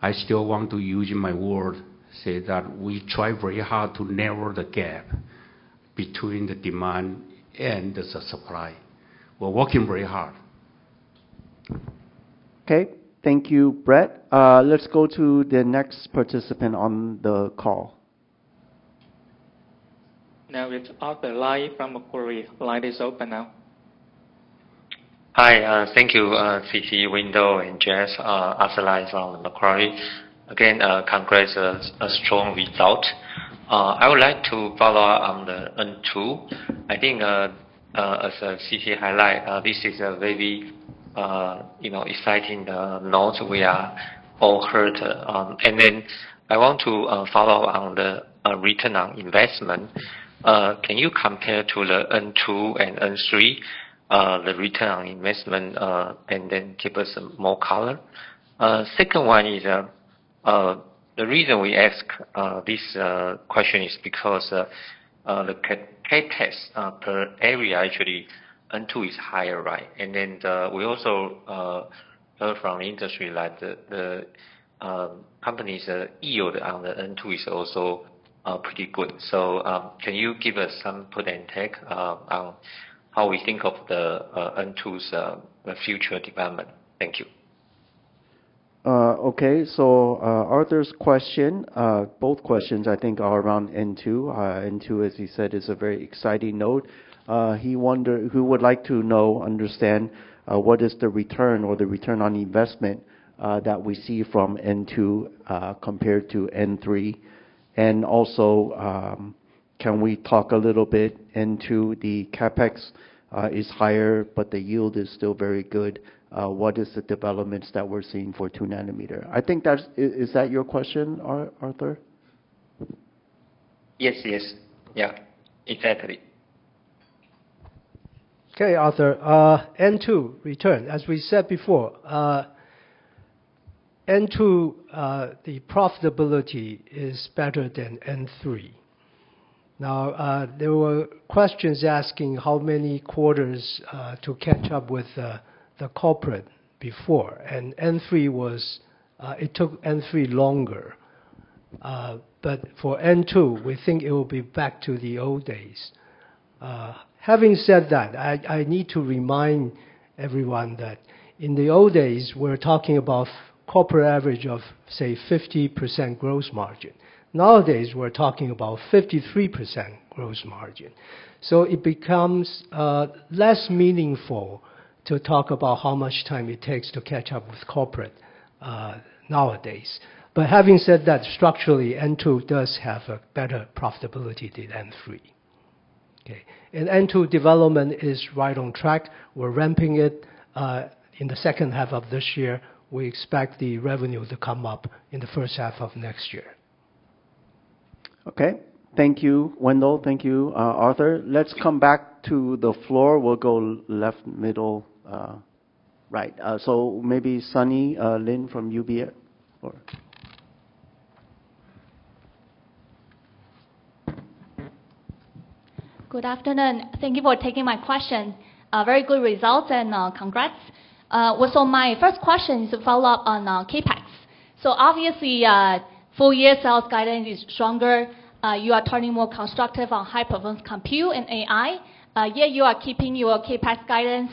I still want to use my word, say that we try very hard to narrow the gap between the demand and the supply. We're working very hard. Okay. Thank you, Brett. Let's go to the next participant on the call. Now we've got the line from Macquarie. The line is open now. Hi. Thank you, CC, Wendell and Jeff, as always on Macquarie. Again, congrats on a strong result. I would like to follow up on the N2. I think, as CC highlighted, this is a very exciting node we all heard. I want to follow up on the return on investment. Can you compare the N2 and N3, the return on investment, and then give us more color? The reason we ask this question is because the CapEx per area, actually, N2 is higher, right? We also heard from industry that the company's yield on the N2 is also pretty good. Can you give us some put and take on how we think of the N2's future development? Thank you. Okay. Arthur's question, both questions, I think, are around N2. N2, as he said, is a very exciting node. He wondered, would like to know, understand what is the return or the return on investment that we see from N2 compared to N3. Can we talk a little bit into the CapEx is higher, but the yield is still very good? What is the developments that we're seeing for 2 nanometer? I think that is that your question, Arthur? Yes, yes. Yeah. Exactly. Okay, Arthur. N2, return. As we said before, N2, the profitability is better than N3. Now, there were questions asking how many quarters to catch up with the corporate before. And N3 was it took N3 longer. For N2, we think it will be back to the old days. Having said that, I need to remind everyone that in the old days, we're talking about corporate average of, say, 50% gross margin. Nowadays, we're talking about 53% gross margin. It becomes less meaningful to talk about how much time it takes to catch up with corporate nowadays. Having said that, structurally, N2 does have a better profitability than N3. Okay. N2 development is right on track. We're ramping it. In the second half of this year, we expect the revenue to come up in the first half of next year. Okay. Thank you, Wendell. Thank you, Arthur. Let's come back to the floor. We'll go left, middle, right. Maybe Sunny Lin from UB. Good afternoon. Thank you for taking my question. Very good results and congrats. My first question is to follow up on CapEx. Obviously, full year sales guidance is stronger. You are turning more constructive on high-performance compute and AI. Yet you are keeping your CapEx guidance.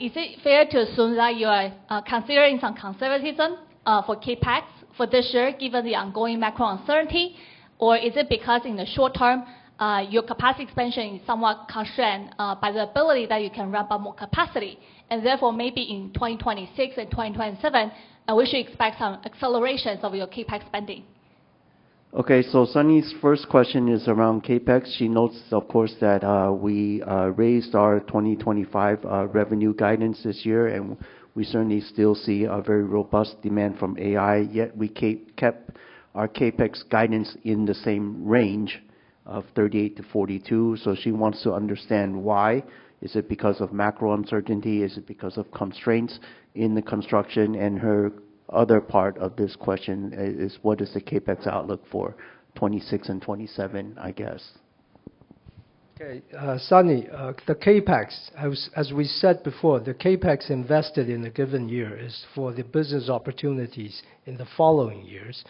Is it fair to assume that you are considering some conservatism for CapEx for this year given the ongoing macro uncertainty? Is it because in the short term, your capacity expansion is somewhat constrained by the ability that you can ramp up more capacity? Therefore, maybe in 2026 and 2027, we should expect some accelerations of your CapEx spending. Okay. Sunny's first question is around CapEx. She notes, of course, that we raised our 2025 revenue guidance this year, and we certainly still see a very robust demand from AI, yet we kept our CapEx guidance in the same range of $38 billion-$42 billion. She wants to understand why. Is it because of macro uncertainty? Is it because of constraints in the construction? Her other part of this question is, what is the CapEx outlook for 2026 and 2027, I guess? Okay. Sunny, the CapEx, as we said before, the CapEx invested in a given year is for the business opportunities in the following years.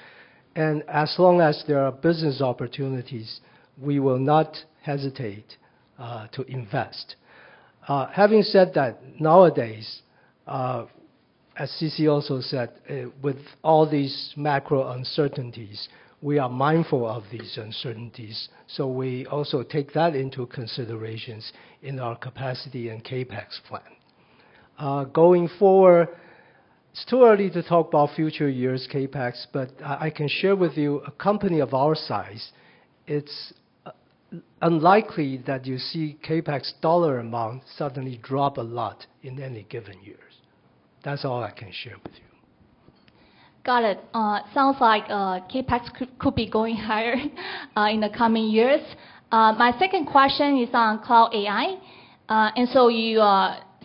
As long as there are business opportunities, we will not hesitate to invest. Having said that, nowadays, as CC also said, with all these macro uncertainties, we are mindful of these uncertainties. We also take that into consideration in our capacity and CapEx plan. Going forward, it's too early to talk about future years' CapEx, but I can share with you, a company of our size, it's unlikely that you see CapEx dollar amount suddenly drop a lot in any given years. That's all I can share with you. Got it. Sounds like CapEx could be going higher in the coming years. My second question is on cloud AI.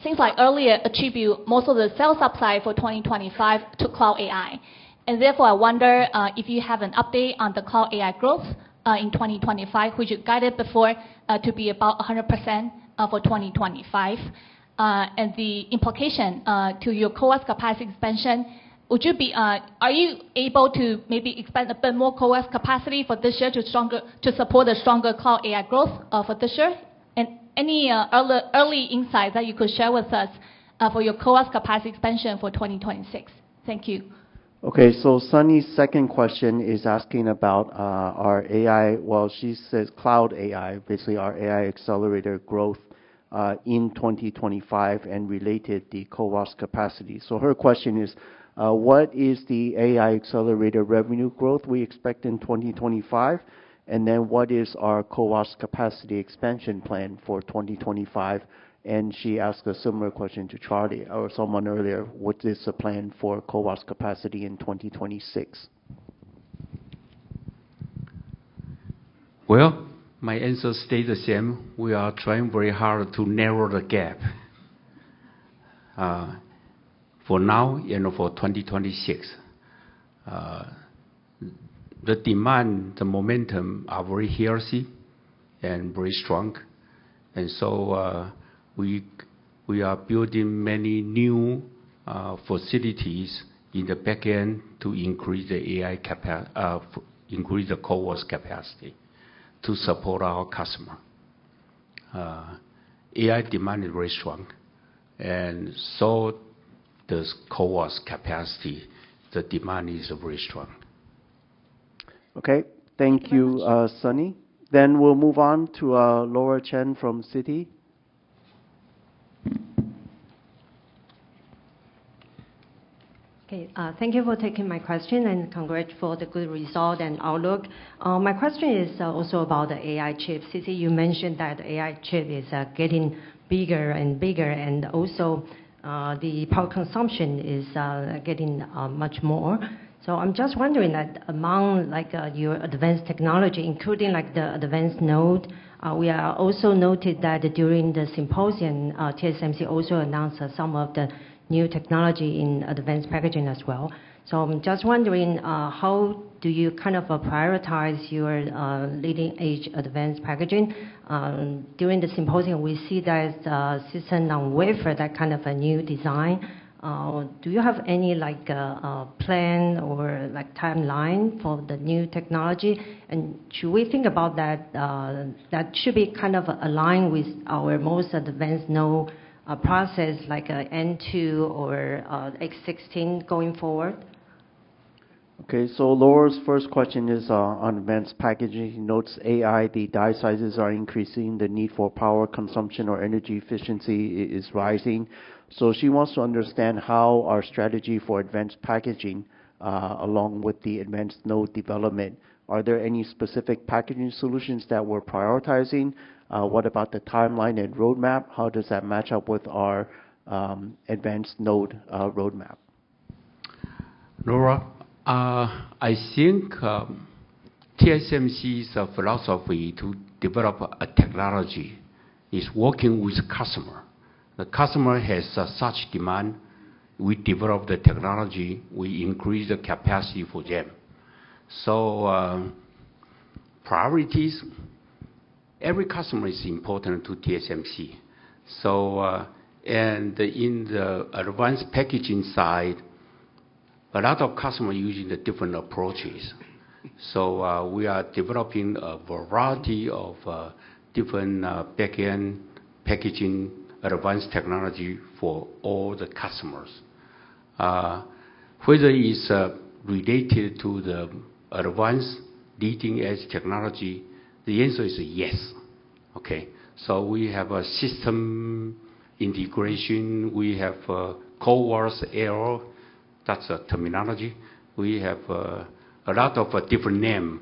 Since, like earlier, you attribute most of the sales upside for 2025 to cloud AI. Therefore, I wonder if you have an update on the cloud AI growth in 2025, which you guided before to be about 100% for 2025. The implication to your CoWoS capacity expansion, would you be, are you able to maybe expand a bit more CoWoS capacity for this year to support a stronger cloud AI growth for this year? Any early insight that you could share with us for your CoWoS capacity expansion for 2026? Thank you. Okay. Sunny's second question is asking about our AI, she says cloud AI, basically our AI accelerator growth in 2025 and related to the CoWoS capacity. Her question is, what is the AI accelerator revenue growth we expect in 2025? What is our CoWoS capacity expansion plan for 2025? She asked a similar question to Charlie or someone earlier. What is the plan for CoWoS capacity in 2026? My answer stays the same. We are trying very hard to narrow the gap for now and for 2026. The demand, the momentum are very healthy and very strong. We are building many new facilities in the backend to increase the AI, increase the CoWoS capacity to support our customer. AI demand is very strong. The CoWoS capacity, the demand is very strong. Thank you, Sunny. We will move on to Laura Chen from Citi. Thank you for taking my question and congrats for the good result and outlook. My question is also about the AI chip. CC, you mentioned that the AI chip is getting bigger and bigger, and also the power consumption is getting much more. I'm just wondering that among your advanced technology, including the advanced node, we also noted that during the symposium, TSMC also announced some of the new technology in advanced packaging as well. I'm just wondering, how do you kind of prioritize your leading-edge advanced packaging? During the symposium, we see that CoWoS now wafer, that kind of a new design. Do you have any plan or timeline for the new technology? Should we think about that, that should be kind of aligned with our most advanced node process, like N2 or A16 going forward? Okay. Laura's first question is on advanced packaging. Notes AI, the die sizes are increasing. The need for power consumption or energy efficiency is rising. She wants to understand how our strategy for advanced packaging along with the advanced node development. Are there any specific packaging solutions that we're prioritizing? What about the timeline and roadmap? How does that match up with our advanced node roadmap? Laura, I think TSMC's philosophy to develop a technology is working with customer. The customer has such demand. We develop the technology. We increase the capacity for them. Priorities, every customer is important to TSMC. In the advanced packaging side, a lot of customers are using the different approaches. We are developing a variety of different backend packaging advanced technology for all the customers. Whether it's related to the advanced leading-edge technology, the answer is yes. We have a system integration. We have CoWoS, that's a terminology. We have a lot of different names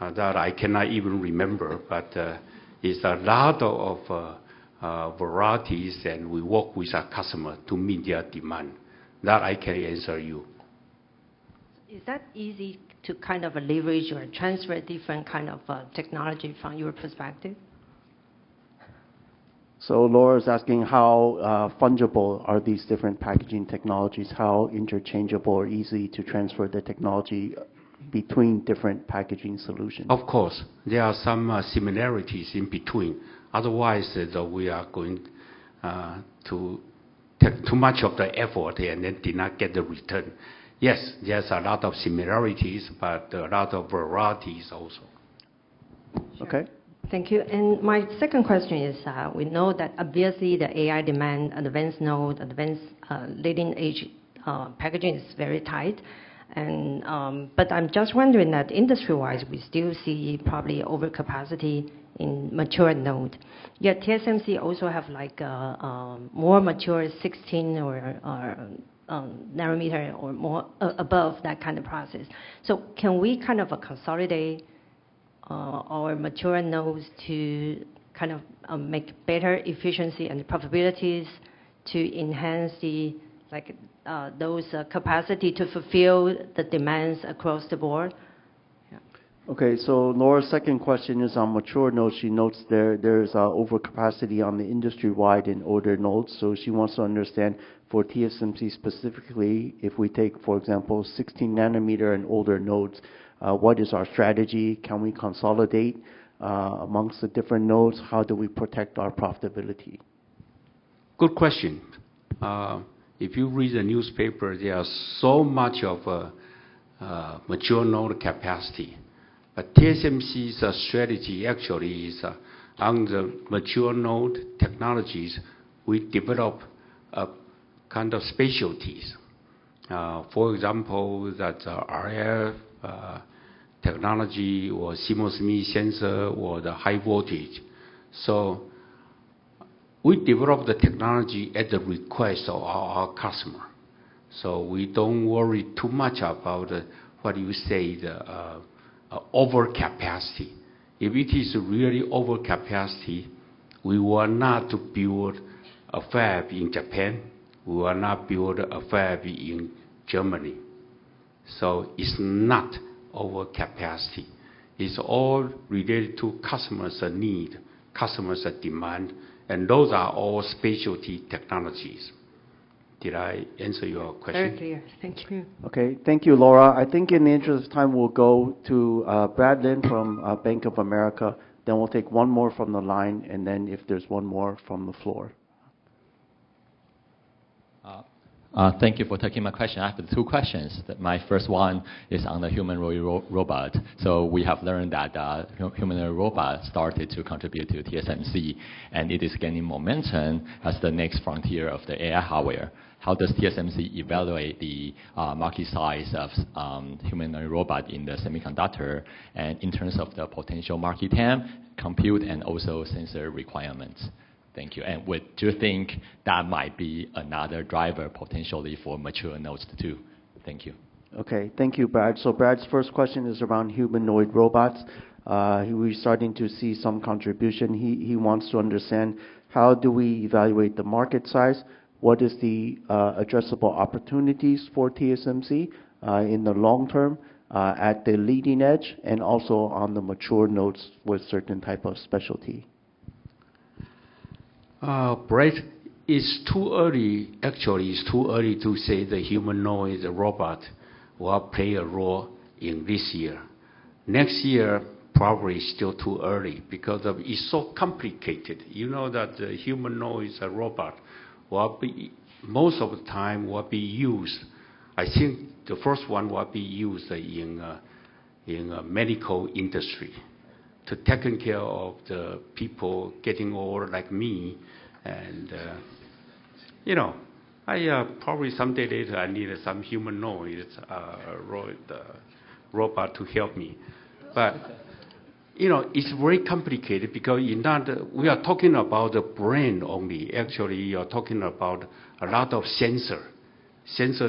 that I cannot even remember, but it's a lot of varieties, and we work with our customer to meet their demand. That I can answer you. Is that easy to kind of leverage or transfer different kind of technology from your perspective? Laura's asking how fungible are these different packaging technologies? How interchangeable or easy to transfer the technology between different packaging solutions? Of course, there are some similarities in between. Otherwise, we are going to take too much of the effort and then did not get the return. Yes, there's a lot of similarities, but a lot of varieties also. Okay. Thank you. My second question is, we know that obviously the AI demand, advanced node, advanced leading-edge packaging is very tight. I'm just wondering that industry-wise, we still see probably overcapacity in mature node. Yet TSMC also has more mature 16 or nanometer or more above that kind of process. Can we kind of consolidate our mature nodes to kind of make better efficiency and probabilities to enhance those capacities to fulfill the demands across the board? Laura's second question is on mature nodes. She notes there is overcapacity industry-wide in older nodes. She wants to understand for TSMC specifically, if we take, for example, 16-nanometer and older nodes, what is our strategy? Can we consolidate amongst the different nodes? How do we protect our profitability? Good question. If you read the newspaper, there is so much mature node capacity. TSMC's strategy actually is on the mature node technologies. We develop kind of specialties. For example, that is RF technology or CMOS image sensor or the high voltage. We develop the technology at the request of our customer. We do not worry too much about what you say, the overcapacity. If it is really overcapacity, we will not build a fab in Japan. We will not build a fab in Germany. It is not overcapacity. It is all related to customer's need, customer's demand, and those are all specialty technologies. Did I answer your question? Thank you. Thank you, Laura. I think in the interest of time, we will go to Brad Lin from Bank of America. We will take one more from the line. If there is one more from the floor. Thank you for taking my question. I have two questions. My first one is on the human robot. We have learned that human robot started to contribute to TSMC, and it is gaining momentum as the next frontier of the AI hardware. How does TSMC evaluate the market size of human robot in the semiconductor and in terms of the potential market compute and also sensor requirements? Thank you. Do you think that might be another driver potentially for mature nodes too? Thank you. Thank you, Brad. Brad's first question is around humanoid robots. We're starting to see some contribution. He wants to understand how do we evaluate the market size, what is the addressable opportunities for TSMC in the long term at the leading edge, and also on the mature nodes with certain type of specialty. Brad, it's too early. Actually, it's too early to say the humanoid robot will play a role in this year. Next year, probably still too early because it's so complicated. You know that the humanoid robot will be most of the time will be used. I think the first one will be used in a medical industry to take care of the people getting old like me. Probably someday later, I need some humanoid robot to help me. It's very complicated because we are talking about the brain only. Actually, you're talking about a lot of sensor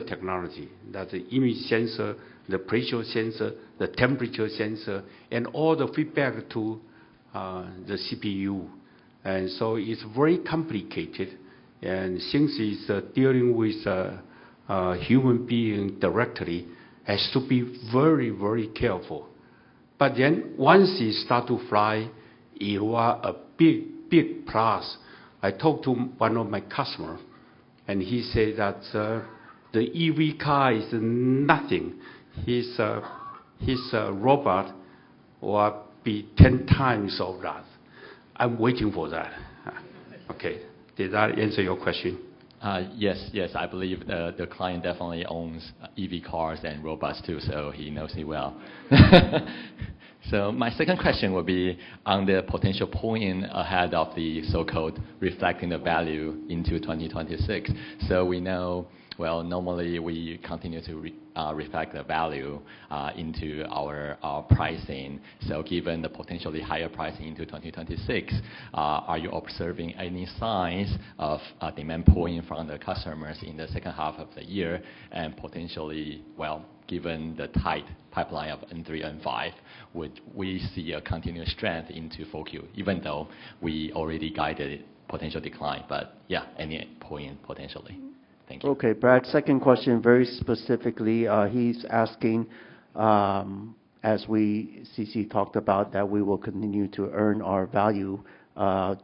technology. That's the image sensor, the pressure sensor, the temperature sensor, and all the feedback to the CPU. It's very complicated. Since it's dealing with human being directly, it has to be very, very careful. Once you start to fly, you are a big, big plus. I talked to one of my customers, and he said that the EV car is nothing. His robot will be 10 times of that. I'm waiting for that. Okay. Did that answer your question? Yes. Yes. I believe the client definitely owns EV cars and robots too, so he knows me well. My second question would be on the potential point ahead of the so-called reflecting the value into 2026. We know, normally we continue to reflect the value into our pricing. Given the potentially higher pricing into 2026, are you observing any signs of demand pooling from the customers in the second half of the year? Potentially, given the tight pipeline of N3, N5, would we see a continuous strength into FOCU, even though we already guided potential decline? Any point potentially. Thank you. Okay. Brad, second question, very specifically. He is asking, as CC talked about, that we will continue to earn our value.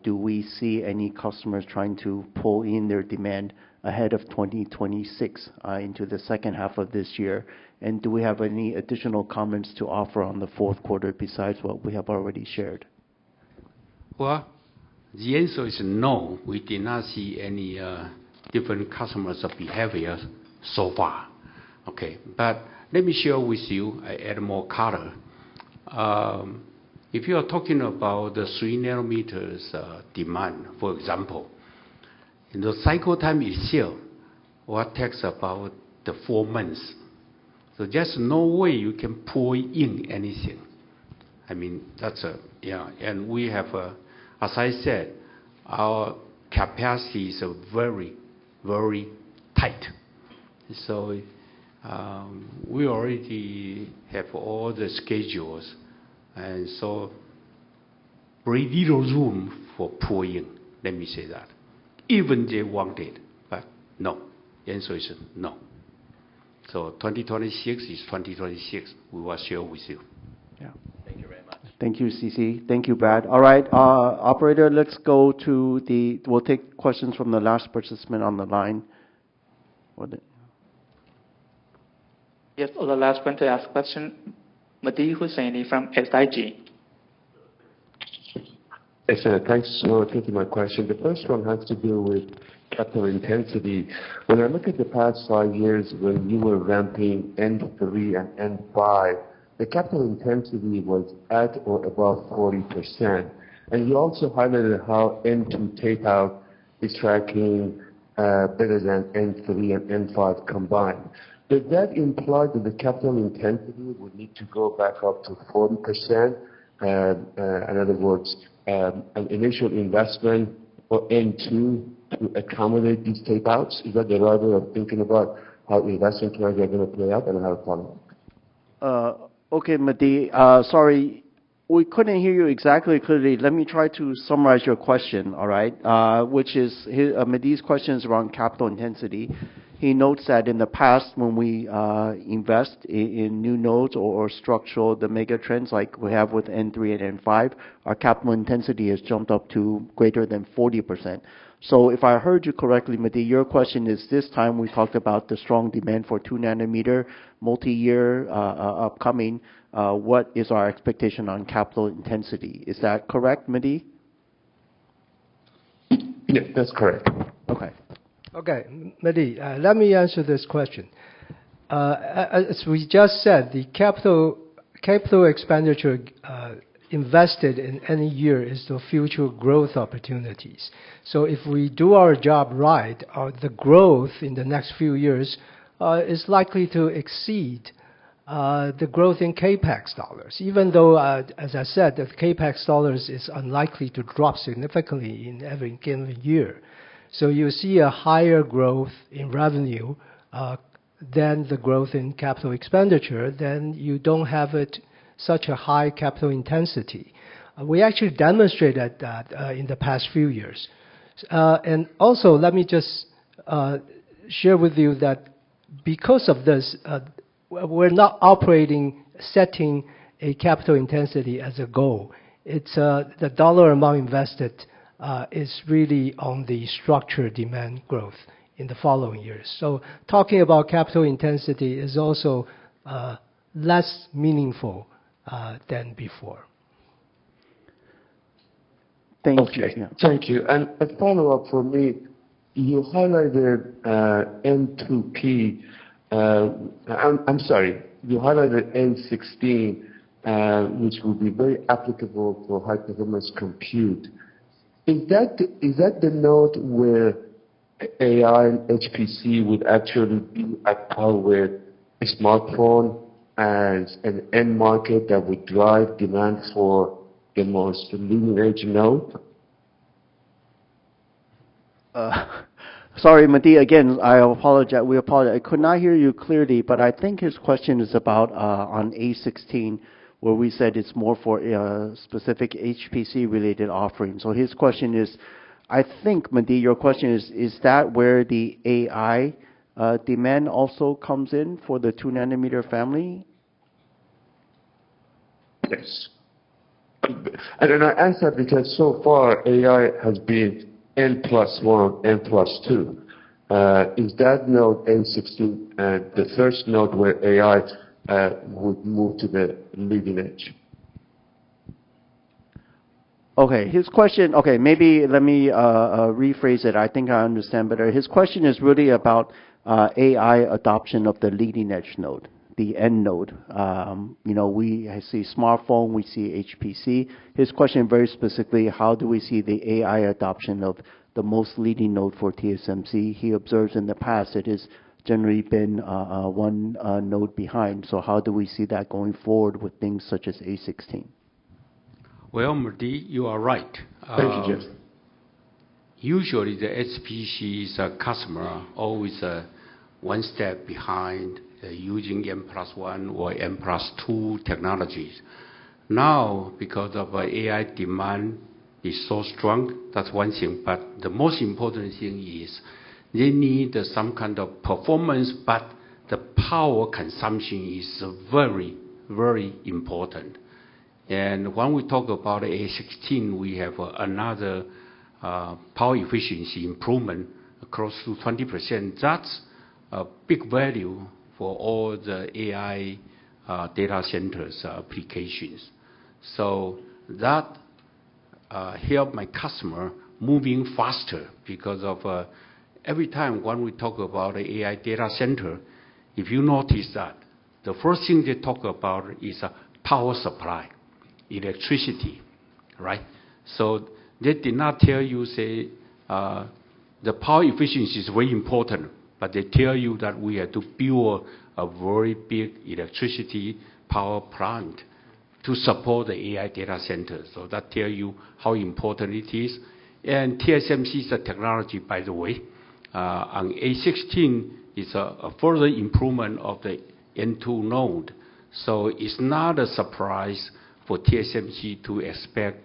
Do we see any customers trying to pull in their demand ahead of 2026 into the second half of this year? Do we have any additional comments to offer on the fourth quarter besides what we have already shared? The answer is no. We did not see any different customers' behavior so far. Okay. Let me share with you in more color. If you are talking about the 3-nanometer demand, for example, the cycle time is still what takes about four months. There is no way you can pull in anything. I mean, that is a—yeah. We have, as I said, our capacity is very, very tight. We already have all the schedules. There is very little room for pulling, let me say that, even if they wanted. No, the answer is no. 2026 is 2026. We will share with you. Yeah. Thank you very much. Thank you, CC. Thank you, Brad. All right. Operator, let's go to the—we'll take questions from the last participant on the line. Yes. The last one to ask a question, Mehdi Hosseini from SIG. Thanks for taking my question. The first one has to do with capital intensity. When I look at the past five years when you were ramping N3 and N5, the capital intensity was at or above 40%. And you also highlighted how N2 takeout is tracking better than N3 and N5 combined. Does that imply that the capital intensity would need to go back up to 40%? In other words, an initial investment for N2 to accommodate these takeouts? Is that the driver of thinking about how investment drives are going to play out and how to follow up? Okay, Mehdi. Sorry, we couldn't hear you exactly clearly. Let me try to summarize your question, all right? Mehdi's question is around capital intensity. He notes that in the past, when we invest in new nodes or structure the megatrends like we have with N3 and N5, our capital intensity has jumped up to greater than 40%. If I heard you correctly, Mehdi, your question is this time we talked about the strong demand for 2-nanometer multi-year upcoming, what is our expectation on capital intensity? Is that correct, Mehdi? Yes, that's correct. Okay. Mehdi, let me answer this question. As we just said, the capital expenditure invested in any year is the future growth opportunities. If we do our job right, the growth in the next few years is likely to exceed the growth in CapEx dollars, even though, as I said, the CapEx dollars is unlikely to drop significantly in every given year. You see a higher growth in revenue than the growth in capital expenditure, then you do not have such a high capital intensity. We actually demonstrated that in the past few years. Also, let me just share with you that because of this, we are not operating setting a capital intensity as a goal. The dollar amount invested is really on the structure demand growth in the following years. Talking about capital intensity is also less meaningful than before. Thank you. Thank you. A follow-up for me, you highlighted N2P. I am sorry. You highlighted N16, which would be very applicable for high-performance compute. Is that the node where AI and HPC would actually be at power with a smartphone as an end market that would drive demand for the most leading-edge node? Sorry, Mehdi. Again, I apologize. I could not hear you clearly, but I think his question is about on A16, where we said it's more for specific HPC-related offerings. His question is, I think, Mehdi, your question is, is that where the AI demand also comes in for the two-nanometer family? Yes. I answered because so far, AI has been N+1, N+2. Is that node A16 the first node where AI would move to the leading edge? Okay. Maybe let me rephrase it. I think I understand better. His question is really about AI adoption of the leading-edge node, the end node. We see smartphone. We see HPC. His question very specifically, how do we see the AI adoption of the most leading node for TSMC? He observed in the past, it has generally been one node behind. How do we see that going forward with things such as A16? Mehdi, you are right. Thank you, Jeff. Usually, the HPC customer is always one step behind using N+1 or N+2 technologies. Now, because of AI demand, it is so strong. That is one thing. The most important thing is they need some kind of performance, but the power consumption is very, very important. When we talk about A16, we have another power efficiency improvement close to 20%. That is a big value for all the AI data centers applications. That helped my customer moving faster because every time when we talk about the AI data center, if you notice that the first thing they talk about is power supply, electricity, right? They did not tell you, say, the power efficiency is very important, but they tell you that we had to build a very big electricity power plant to support the AI data centers. That tells you how important it is. And TSMC's technology, by the way, on A16 is a further improvement of the N2 node. It is not a surprise for TSMC to expect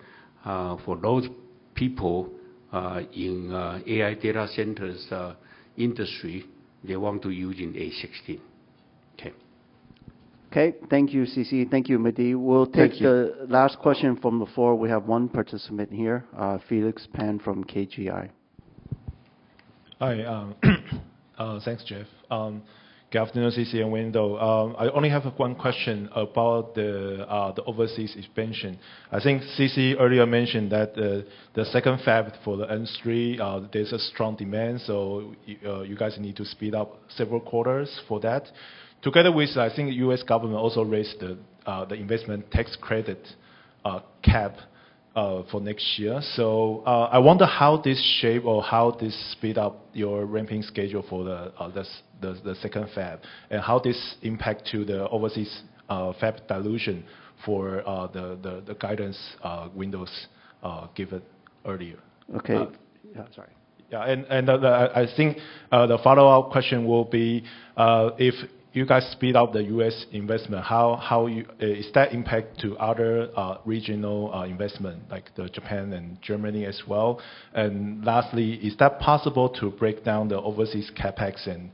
for those people in AI data centers industry, they want to use in A16. Okay. Okay. Thank you, CC. Thank you, Mehdi. We'll take the last question from the floor. We have one participant here, Felix Pan from KGI. Hi. Thanks, Jeff. Good afternoon, CC and Wendell. I only have one question about the overseas expansion. I think CC earlier mentioned that the second fab for the N3, there is a strong demand. You guys need to speed up several quarters for that. Together with, I think, the US government also raised the investment tax credit cap for next year. I wonder how this shape or how this speed up your ramping schedule for the second fab and how this impact to the overseas fab dilution for the guidance windows given earlier. Yeah. Sorry. I think the follow-up question will be, if you guys speed up the US investment, how is that impact to other regional investment like Japan and Germany as well? Lastly, is that possible to break down the overseas CapEx and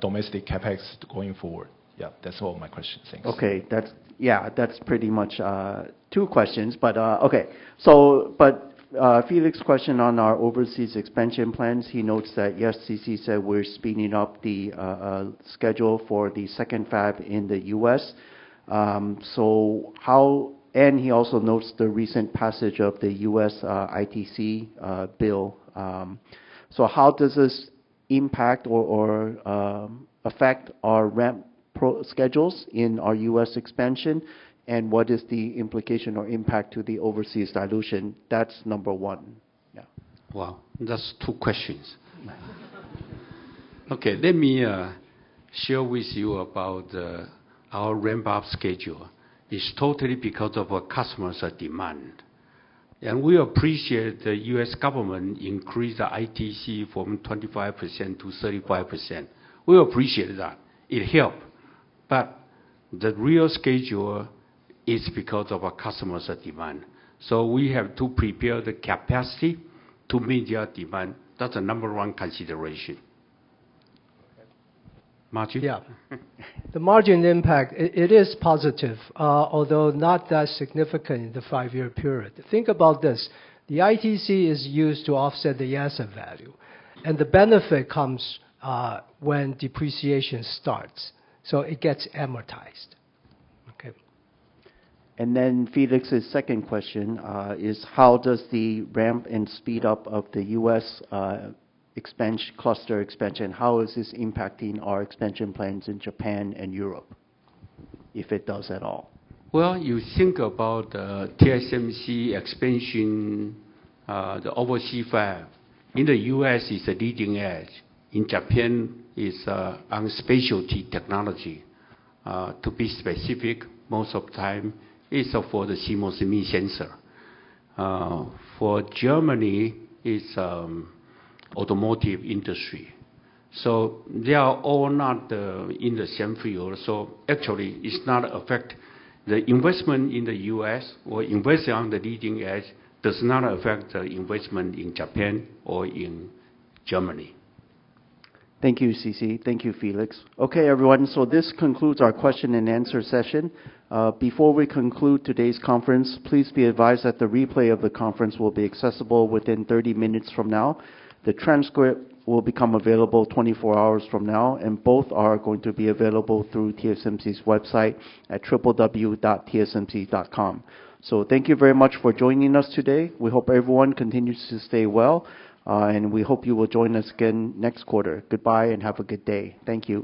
domestic CapEx going forward? Yeah. That's all my questions. Thanks. Okay. Yeah. That's pretty much two questions. Okay. Felix's question on our overseas expansion plans, he notes that, yes, CC said we're speeding up the schedule for the second fab in the US. He also notes the recent passage of the US ITC bill. How does this impact or affect our ramp schedules in our US expansion? What is the implication or impact to the overseas dilution? That's number one. Yeah. Wow. That's two questions. Okay. Let me share with you about our ramp-up schedule. It is totally because of our customer's demand. We appreciate the U.S. government increased the ITC from 25%-35%. We appreciate that. It helped. The real schedule is because of our customer's demand. We have to prepare the capacity to meet their demand. That is the number one consideration. Margin? Yeah. The margin impact, it is positive, although not that significant in the five-year period. Think about this. The ITC is used to offset the asset value. The benefit comes when depreciation starts. It gets amortized. Okay. Felix's second question is, how does the ramp and speed up of the US cluster expansion, how is this impacting our expansion plans in Japan and Europe if it does at all? You think about the TSMC expansion, the overseas fab. In the US, it is leading edge. In Japan, it is on specialty technology. To be specific, most of the time, it is for the CMOS Image Sensor. For Germany, it is automotive industry. They are all not in the same field. Actually, it does not affect the investment in the US or investing on the leading edge does not affect the investment in Japan or in Germany. Thank you, CC. Thank you, Felix. Okay, everyone. This concludes our question-and-answer session. Before we conclude today's conference, please be advised that the replay of the conference will be accessible within 30 minutes from now. The transcript will become available 24 hours from now. Both are going to be available through TSMC's website at www.tsmc.com. Thank you very much for joining us today. We hope everyone continues to stay well. We hope you will join us again next quarter. Goodbye and have a good day. Thank you.